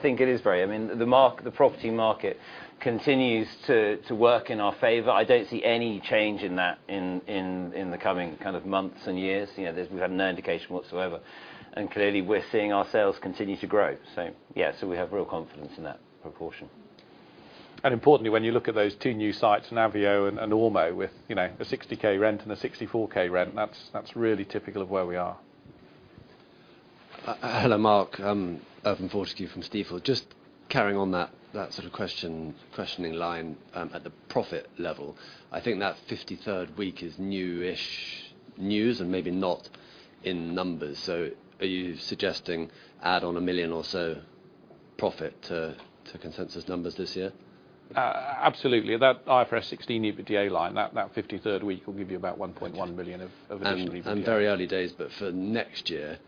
think it is very. I mean, the property market continues to work in our favor. I don't see any change in that in the coming kind of months and years. You know, we've had no indication whatsoever, and clearly, we're seeing our sales continue to grow. So yeah, so we have real confidence in that proportion. Importantly, when you look at those two new sites, Navio and Ormo, with, you know, a 60K rent and a 64K rent, that's really typical of where we are. Hello, Mark Irvine-Fortescue from Stifel. Just carrying on that sort of question line, at the profit level, I think that 53rd week is new-ish news and maybe not in numbers. So are you suggesting add on 1 million or so profit to consensus numbers this year? Absolutely. That IFRS 16 EBITDA line, that 53rd week will give you about 1.1 million of additional EBITDA. Very early days, but for next year,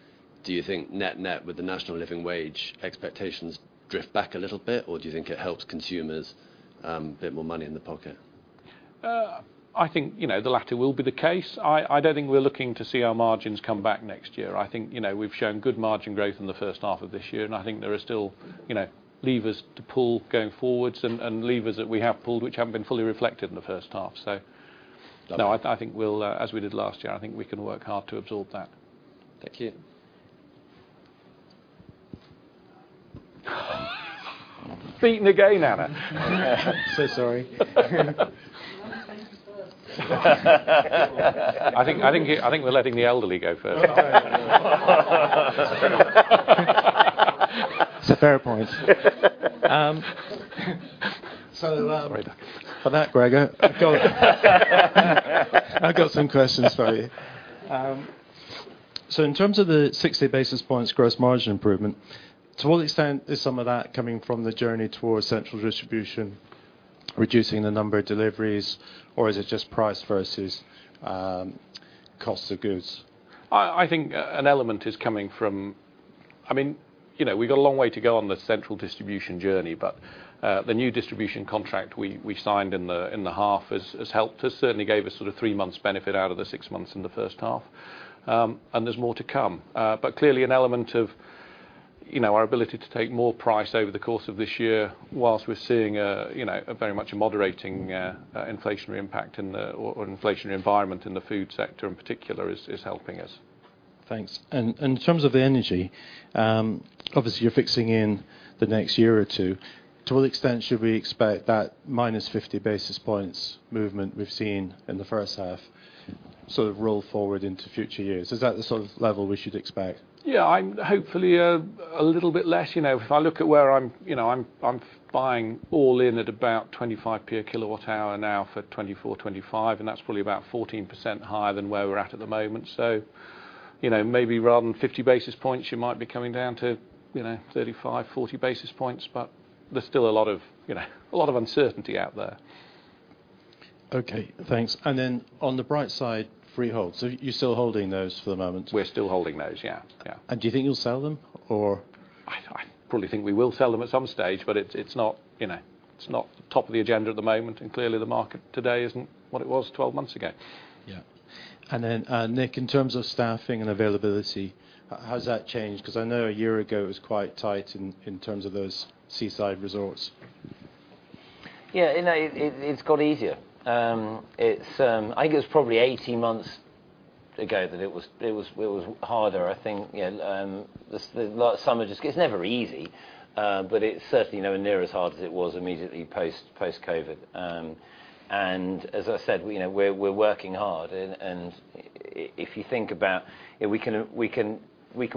do you think net-net with the National Living Wage expectations drift back a little bit, or do you think it helps consumers, a bit more money in the pocket? I think, you know, the latter will be the case. I, I don't think we're looking to see our margins come back next year. I think, you know, we've shown good margin growth in the first half of this year, and I think there are still, you know, levers to pull going forwards and, and levers that we have pulled, which haven't been fully reflected in the first half. So, no, I, I think we'll, as we did last year, I think we can work hard to absorb that. Thank you. Beaten again, Anna. So sorry.... I think we're letting the elderly go first.... It's a fair point. So, for that, Gregor, I've got some questions for you. So in terms of the 60 basis points gross margin improvement, to what extent is some of that coming from the journey towards central distribution, reducing the number of deliveries, or is it just price versus, cost of goods? I think an element is coming from... I mean, you know, we've got a long way to go on the central distribution journey, but the new distribution contract we signed in the half has helped us. Certainly gave us sort of three months benefit out of the six months in the first half. And there's more to come. But clearly an element of, you know, our ability to take more price over the course of this year, whilst we're seeing a very much a moderating inflationary impact in the, or inflationary environment in the food sector, in particular, is helping us. Thanks. And in terms of the energy, obviously, you're fixing in the next year or two, to what extent should we expect that minus 50 basis points movement we've seen in the first half sort of roll forward into future years? Is that the sort of level we should expect? Yeah, I'm hopefully a little bit less, you know. If I look at where I'm buying all in at about 25 per kWh now for 2024-25, and that's probably about 14% higher than where we're at at the moment. So, you know, maybe rather than 50 basis points, you might be coming down to, you know, 35-40 basis points, but there's still a lot of, you know, a lot of uncertainty out there. Okay, thanks. And then, on the Brightside, freehold. So you're still holding those for the moment? We're still holding those, yeah, yeah. Do you think you'll sell them, or? I probably think we will sell them at some stage, but it's not, you know, top of the agenda at the moment, and clearly, the market today isn't what it was 12 months ago. Yeah. And then, Nick, in terms of staffing and availability, how's that changed? Because I know a year ago it was quite tight in terms of those seaside resorts. Yeah, you know, it's got easier. I think it was probably 18 months ago that it was harder. I think, you know, It's never easy, but it's certainly nowhere near as hard as it was immediately post COVID. And as I said, you know, we're working hard, and if you think about, we can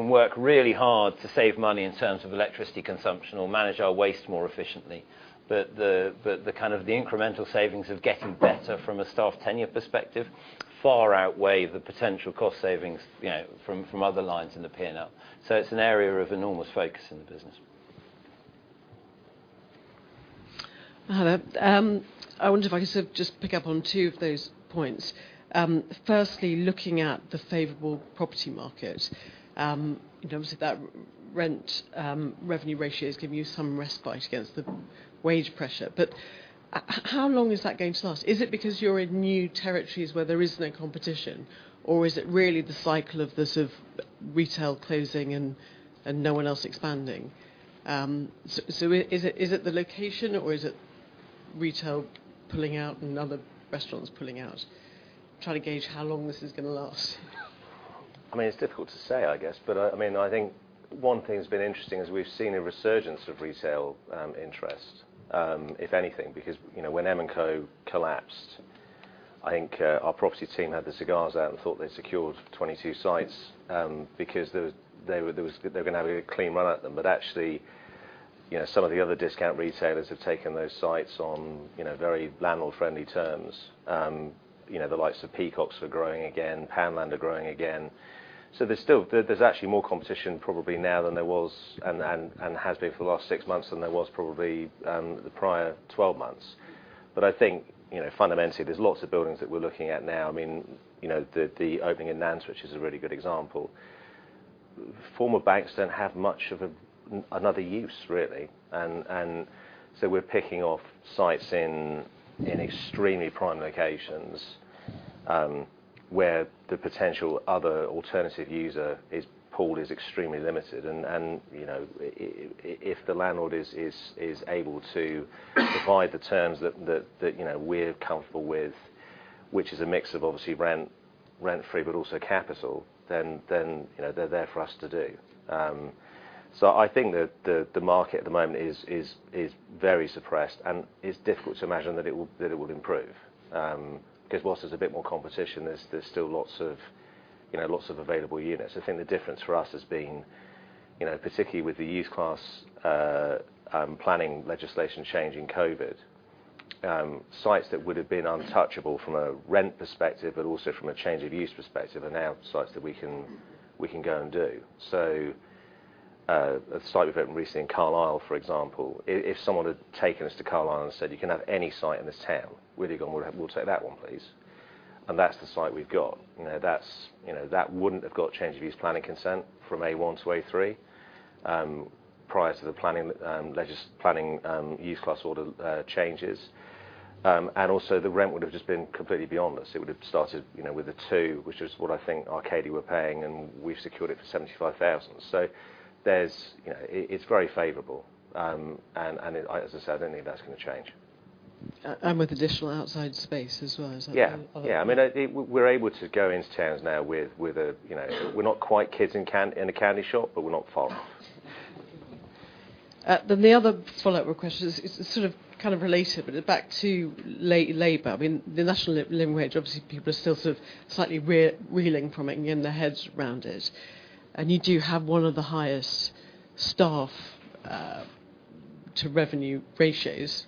work really hard to save money in terms of electricity consumption or manage our waste more efficiently. But the kind of incremental savings of getting better from a staff tenure perspective far outweigh the potential cost savings, you know, from other lines in the P&L. So it's an area of enormous focus in the business. Hello. I wonder if I could sort of just pick up on two of those points. Firstly, looking at the favorable property market, in terms of that rent, revenue ratio is giving you some respite against the wage pressure. But how long is that going to last? Is it because you're in new territories where there is no competition, or is it really the cycle of the sort of retail closing and no one else expanding? So, is it the location or is it retail pulling out and other restaurants pulling out? Try to gauge how long this is going to last. I mean, it's difficult to say, I guess. But, I mean, I think one thing that's been interesting is we've seen a resurgence of retail, interest, if anything. Because, you know, when M&Co collapsed, I think, our property team had the cigars out and thought they'd secured 22 sites, because there was, they were going to have a clean run at them. But actually, you know, some of the other discount retailers have taken those sites on, you know, very landlord-friendly terms. You know, the likes of Peacocks are growing again, Poundland are growing again. So there's still... There's actually more competition probably now than there was, and has been for the last six months than there was probably, the prior 12 months. But I think, you know, fundamentally, there's lots of buildings that we're looking at now. I mean, you know, the opening in Nantwich is a really good example. Former banks don't have much of another use, really, and so we're picking off sites in extremely prime locations, where the potential other alternative user pool is extremely limited. And you know, if the landlord is able to provide the terms that you know, we're comfortable with, which is a mix of obviously rent-free, but also capital, then you know, they're there for us to do. So I think that the market at the moment is very suppressed, and it's difficult to imagine that it will improve. Because whilst there's a bit more competition, there's still lots of available units. I think the difference for us has been, you know, particularly with the Use Class, planning legislation change in COVID, sites that would have been untouchable from a rent perspective, but also from a change of use perspective, are now sites that we can, we can go and do. So, a site we've opened recently in Carlisle, for example, if someone had taken us to Carlisle and said, "You can have any site in this town," we'd have gone, "We'll, we'll take that one, please." And that's the site we've got. You know, that's, you know, that wouldn't have got change of use planning consent from A1 to A3, prior to the planning Planning Use Class Order changes. And also, the rent would have just been completely beyond us. It would have started, you know, with a 2, which is what I think Arcadia were paying, and we've secured it for 75,000. So there's, you know, it's very favorable. And as I said, I don't think that's going to change. And with additional outside space as well, is that? Yeah. Yeah, I mean, we're able to go into towns now with, with a, you know... We're not quite kids in candy, in a candy shop, but we're not far off.... Then the other follow-up question is sort of kind of related, but back to labor. I mean, the National Living Wage, obviously, people are still sort of slightly reeling from it and getting their heads around it. And you do have one of the highest staff to revenue ratios,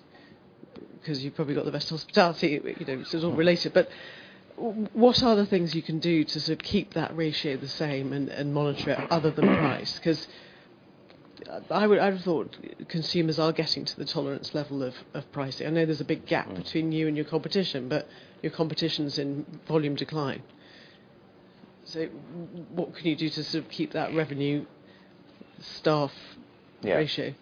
'cause you've probably got the best hospitality, you know, so it's all related. But what are the things you can do to sort of keep that ratio the same and monitor it other than price? 'Cause I would... I would thought consumers are getting to the tolerance level of pricing. I know there's a big gap between you and your competition, but your competition's in volume decline. So what can you do to sort of keep that revenue staff- Yeah -ratio?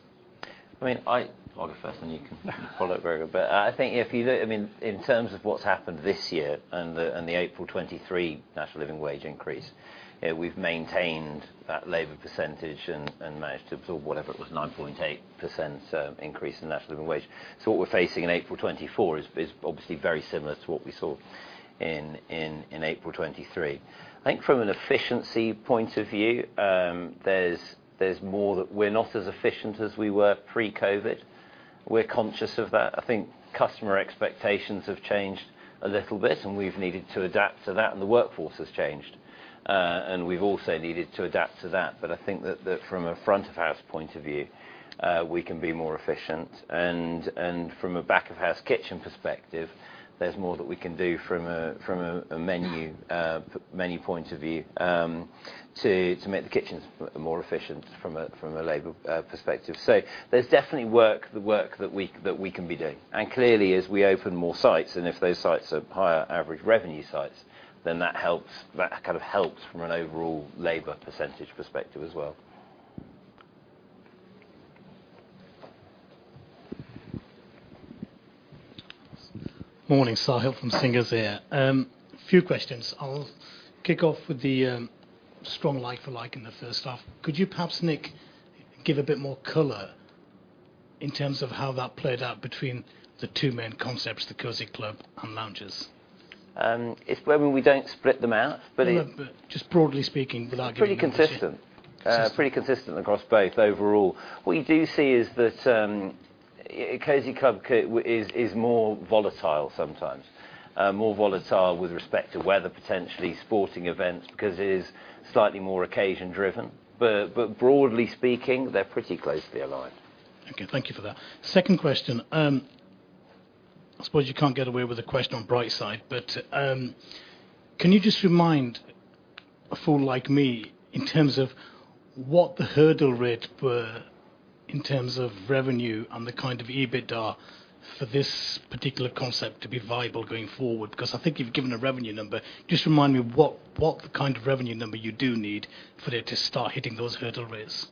I mean, I'll go first, then you can follow up, Gregor But I think if you look, I mean, in terms of what's happened this year and the, and the April 2023 National Living Wage increase, we've maintained that labor percentage and, and managed to absorb whatever it was, 9.8% increase in National Living Wage. So what we're facing in April 2024 is, is obviously very similar to what we saw in, in, in April 2023. I think from an efficiency point of view, there's, there's more that we're not as efficient as we were pre-COVID. We're conscious of that. I think customer expectations have changed a little bit, and we've needed to adapt to that, and the workforce has changed. And we've also needed to adapt to that. But I think that, that from a front-of-house point of view, we can be more efficient. And, and from a back-of-house kitchen perspective, there's more that we can do from a, from a, a menu, menu point of view, to, to make the kitchens more efficient from a, from a labor, perspective. So there's definitely work, the work that we, that we can be doing. And clearly, as we open more sites, and if those sites are higher average revenue sites, then that helps, that kind of helps from an overall labor percentage perspective as well. Morning, Sahil from Singer. A few questions. I'll kick off with the strong like-for-like in the first half. Could you perhaps, Nick, give a bit more color in terms of how that played out between the two main concepts, the Cosy Club and Lounge? It's where we don't split them out, but it- No, but just broadly speaking, without getting- It's pretty consistent. Consistent. Pretty consistent across both overall. What we do see is that, Cosy Club is more volatile sometimes, more volatile with respect to weather, potentially sporting events, because it is slightly more occasion-driven. But broadly speaking, they're pretty closely aligned. Okay, thank you for that. Second question, I suppose you can't get away with a question on Brightside, but, can you just remind a fool like me in terms of what the hurdle rate were in terms of revenue and the kind of EBITDA for this particular concept to be viable going forward? Because I think you've given a revenue number. Just remind me what the kind of revenue number you do need for it to start hitting those hurdle rates.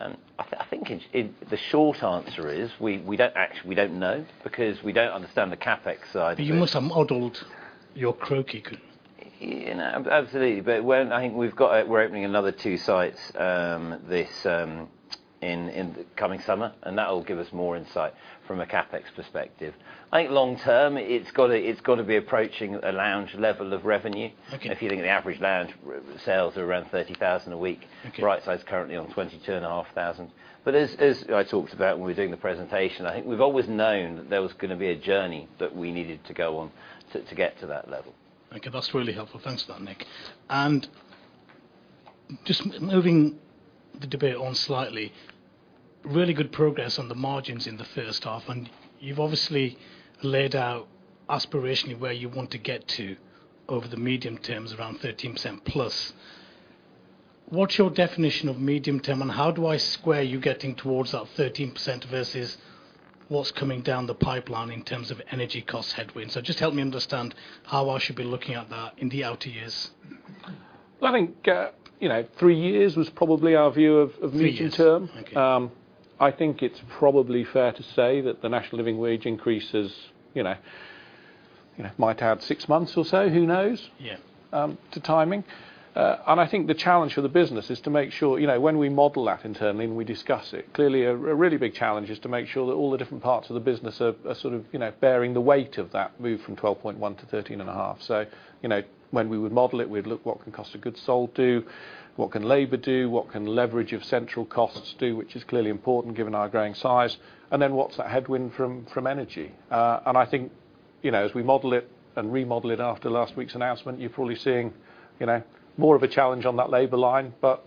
I think, in the short answer is, we don't actually know, because we don't understand the CapEx side- But you must have modeled your CROCI good. You know, absolutely. But when... I think we've got, we're opening another two sites this summer, and that will give us more insight from a CapEx perspective. I think long term, it's gotta be approaching a Lounge level of revenue. Okay. If you think an average Lounge sales are around 30,000 a week- Okay. Brightside is currently on 22,500. But as I talked about when we were doing the presentation, I think we've always known that there was going to be a journey that we needed to go on to get to that level. Okay, that's really helpful. Thanks for that, Nick. And just moving the debate on slightly, really good progress on the margins in the first half, and you've obviously laid out aspirationally where you want to get to over the medium terms, around 13%+. What's your definition of medium term, and how do I square you getting towards that 13% versus what's coming down the pipeline in terms of energy cost headwinds? So just help me understand how I should be looking at that in the outer years. I think, you know, three years was probably our view of- Three years of medium term. Okay. I think it's probably fair to say that the National Living Wage increases, you know, you know, might add six months or so, who knows? Yeah. To timing. And I think the challenge for the business is to make sure, you know, when we model that internally and we discuss it, clearly a really big challenge is to make sure that all the different parts of the business are sort of, you know, bearing the weight of that move from 12.1 to 13.5. So, you know, when we would model it, we'd look, what can cost of goods sold do? What can labor do? What can leverage of central costs do? Which is clearly important, given our growing size. And then, what's that headwind from energy? And I think, you know, as we model it and remodel it after last week's announcement, you're probably seeing, you know, more of a challenge on that labor line. But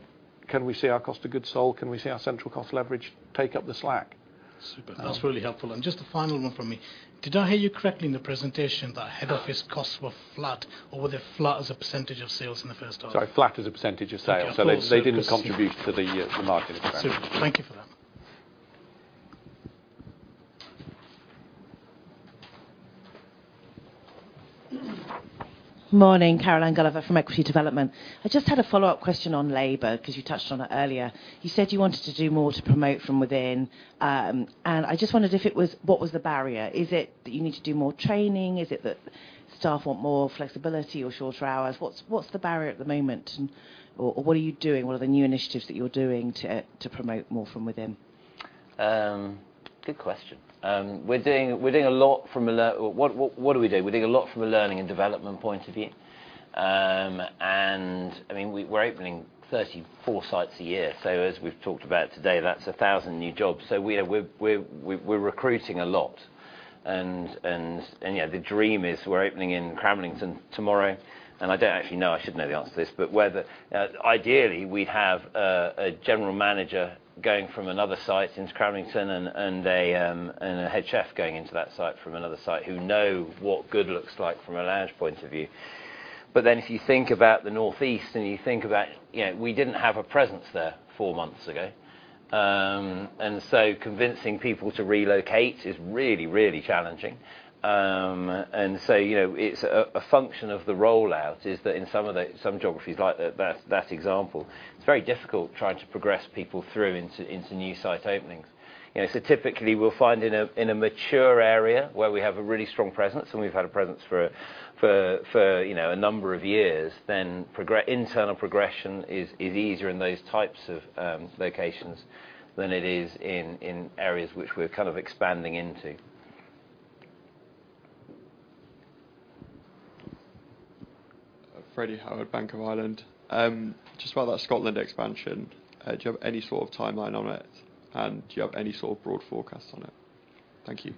can we see our cost of goods sold? Can we see our central cost leverage take up the slack? Super. Um- That's really helpful. And just a final one from me: Did I hear you correctly in the presentation that head office costs were flat, or were they flat as a percentage of sales in the first half? Sorry, flat as a percentage of sales. Thank you. So they didn't contribute to the market effect. Super. Thank you for that. Morning, Caroline Gulliver from Equity Development. I just had a follow-up question on labor, 'cause you touched on it earlier. You said you wanted to do more to promote from within, and I just wondered if it was what was the barrier? Is it that you need to do more training? Is it that staff want more flexibility or shorter hours? What's the barrier at the moment? Or what are you doing? What are the new initiatives that you're doing to promote more from within?... Good question. We're doing a lot from a learning and development point of view. I mean, we're opening 34 sites a year, so as we've talked about today, that's 1,000 new jobs. So we're recruiting a lot. And yeah, the dream is we're opening in Cramlington tomorrow, and I don't actually know, I should know the answer to this, but whether... ideally, we'd have a general manager going from another site into Cramlington and a head chef going into that site from another site who know what good looks like from a Lounge point of view. But then if you think about the Northeast, and you think about, you know, we didn't have a presence there four months ago. And so convincing people to relocate is really, really challenging. And so, you know, it's a function of the rollout is that in some of the, some geographies like that, that example, it's very difficult trying to progress people through into, into new site openings. You know, so typically, we'll find in a mature area, where we have a really strong presence, and we've had a presence for, you know, a number of years, then internal progression is easier in those types of locations than it is in areas which we're kind of expanding into. Freddie Howard, Bank of Ireland. Just about that Scotland expansion, do you have any sort of timeline on it? And do you have any sort of broad forecasts on it? Thank you.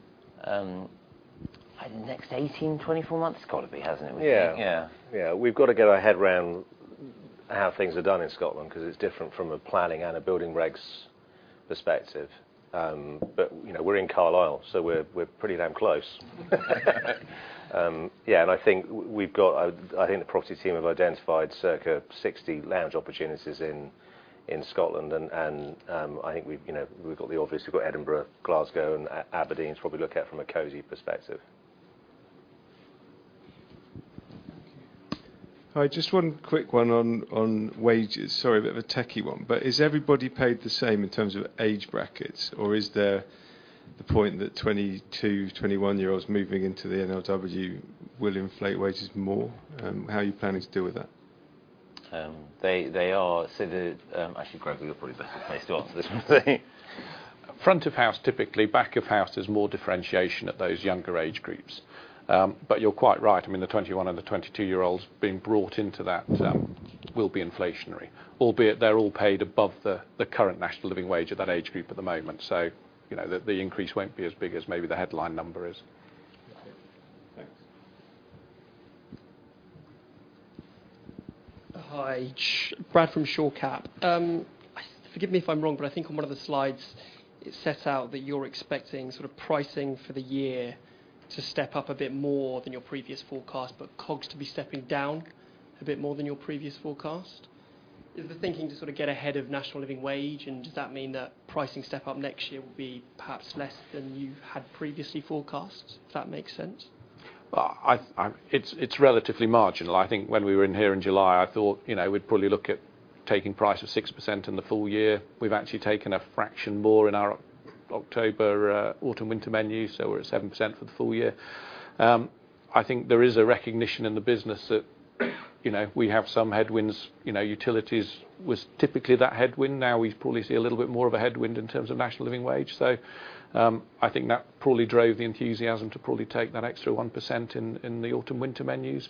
In the next 18-24 months, it's got to be, hasn't it? Yeah. Yeah. Yeah. We've got to get our head around how things are done in Scotland 'cause it's different from a planning and a building regs perspective. But, you know, we're in Carlisle, so we're pretty damn close. Yeah, and I think the property team have identified circa 60 Lounge opportunities in Scotland, and I think we've, you know, we've got the obvious. We've got Edinburgh, Glasgow, and Aberdeen is what we look at from a Cosy perspective. Hi, just one quick one on, on wages. Sorry, a bit of a techy one, but is everybody paid the same in terms of age brackets, or is there the point that 22, 21-year-olds moving into the NLW will inflate wages more? How are you planning to deal with that? Actually, Greg, you're probably best placed to answer this one. Front of house, typically. Back of house, there's more differentiation at those younger age groups. But you're quite right, I mean, the 21- and 22-year-olds being brought into that will be inflationary. Albeit, they're all paid above the current National Living Wage of that age group at the moment. So, you know, the increase won't be as big as maybe the headline number is. Thanks. Hi, Brad from Shore Cap. Forgive me if I'm wrong, but I think on one of the slides, it sets out that you're expecting sort of pricing for the year to step up a bit more than your previous forecast, but COGS to be stepping down a bit more than your previous forecast. Is the thinking to sort of get ahead of National Living Wage, and does that mean that pricing step up next year will be perhaps less than you've had previously forecast? Does that make sense? Well, it's relatively marginal. I think when we were in here in July, I thought, you know, we'd probably look at taking price of 6% in the full year. We've actually taken a fraction more in our October, autumn, winter menu, so we're at 7% for the full year. I think there is a recognition in the business that, you know, we have some headwinds. You know, utilities was typically that headwind. Now, we probably see a little bit more of a headwind in terms of National Living Wage. So, I think that probably drove the enthusiasm to probably take that extra 1% in the autumn, winter menus.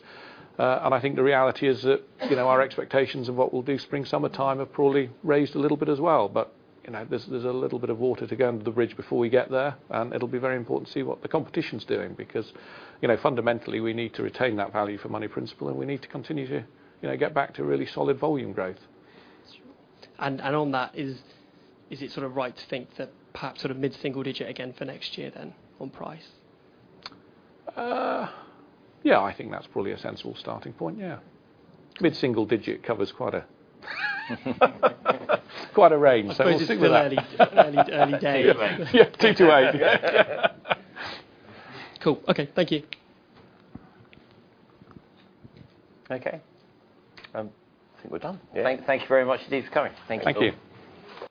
And I think the reality is that, you know, our expectations of what we'll do spring, summertime have probably raised a little bit as well. But, you know, there's a little bit of water to go under the bridge before we get there, and it'll be very important to see what the competition's doing. Because, you know, fundamentally, we need to retain that value for money principle, and we need to continue to, you know, get back to really solid volume growth. And on that, is it sort of right to think that perhaps sort of mid-single digit again for next year then on price? Yeah, I think that's probably a sensible starting point, yeah. Mid-single digit covers quite a range. So- I suppose it's still early, early days. Yeah, 2-8. Cool. Okay, thank you. Okay, I think we're done. Yeah. Thank you very much, indeed, for coming. Thank you. Thank you.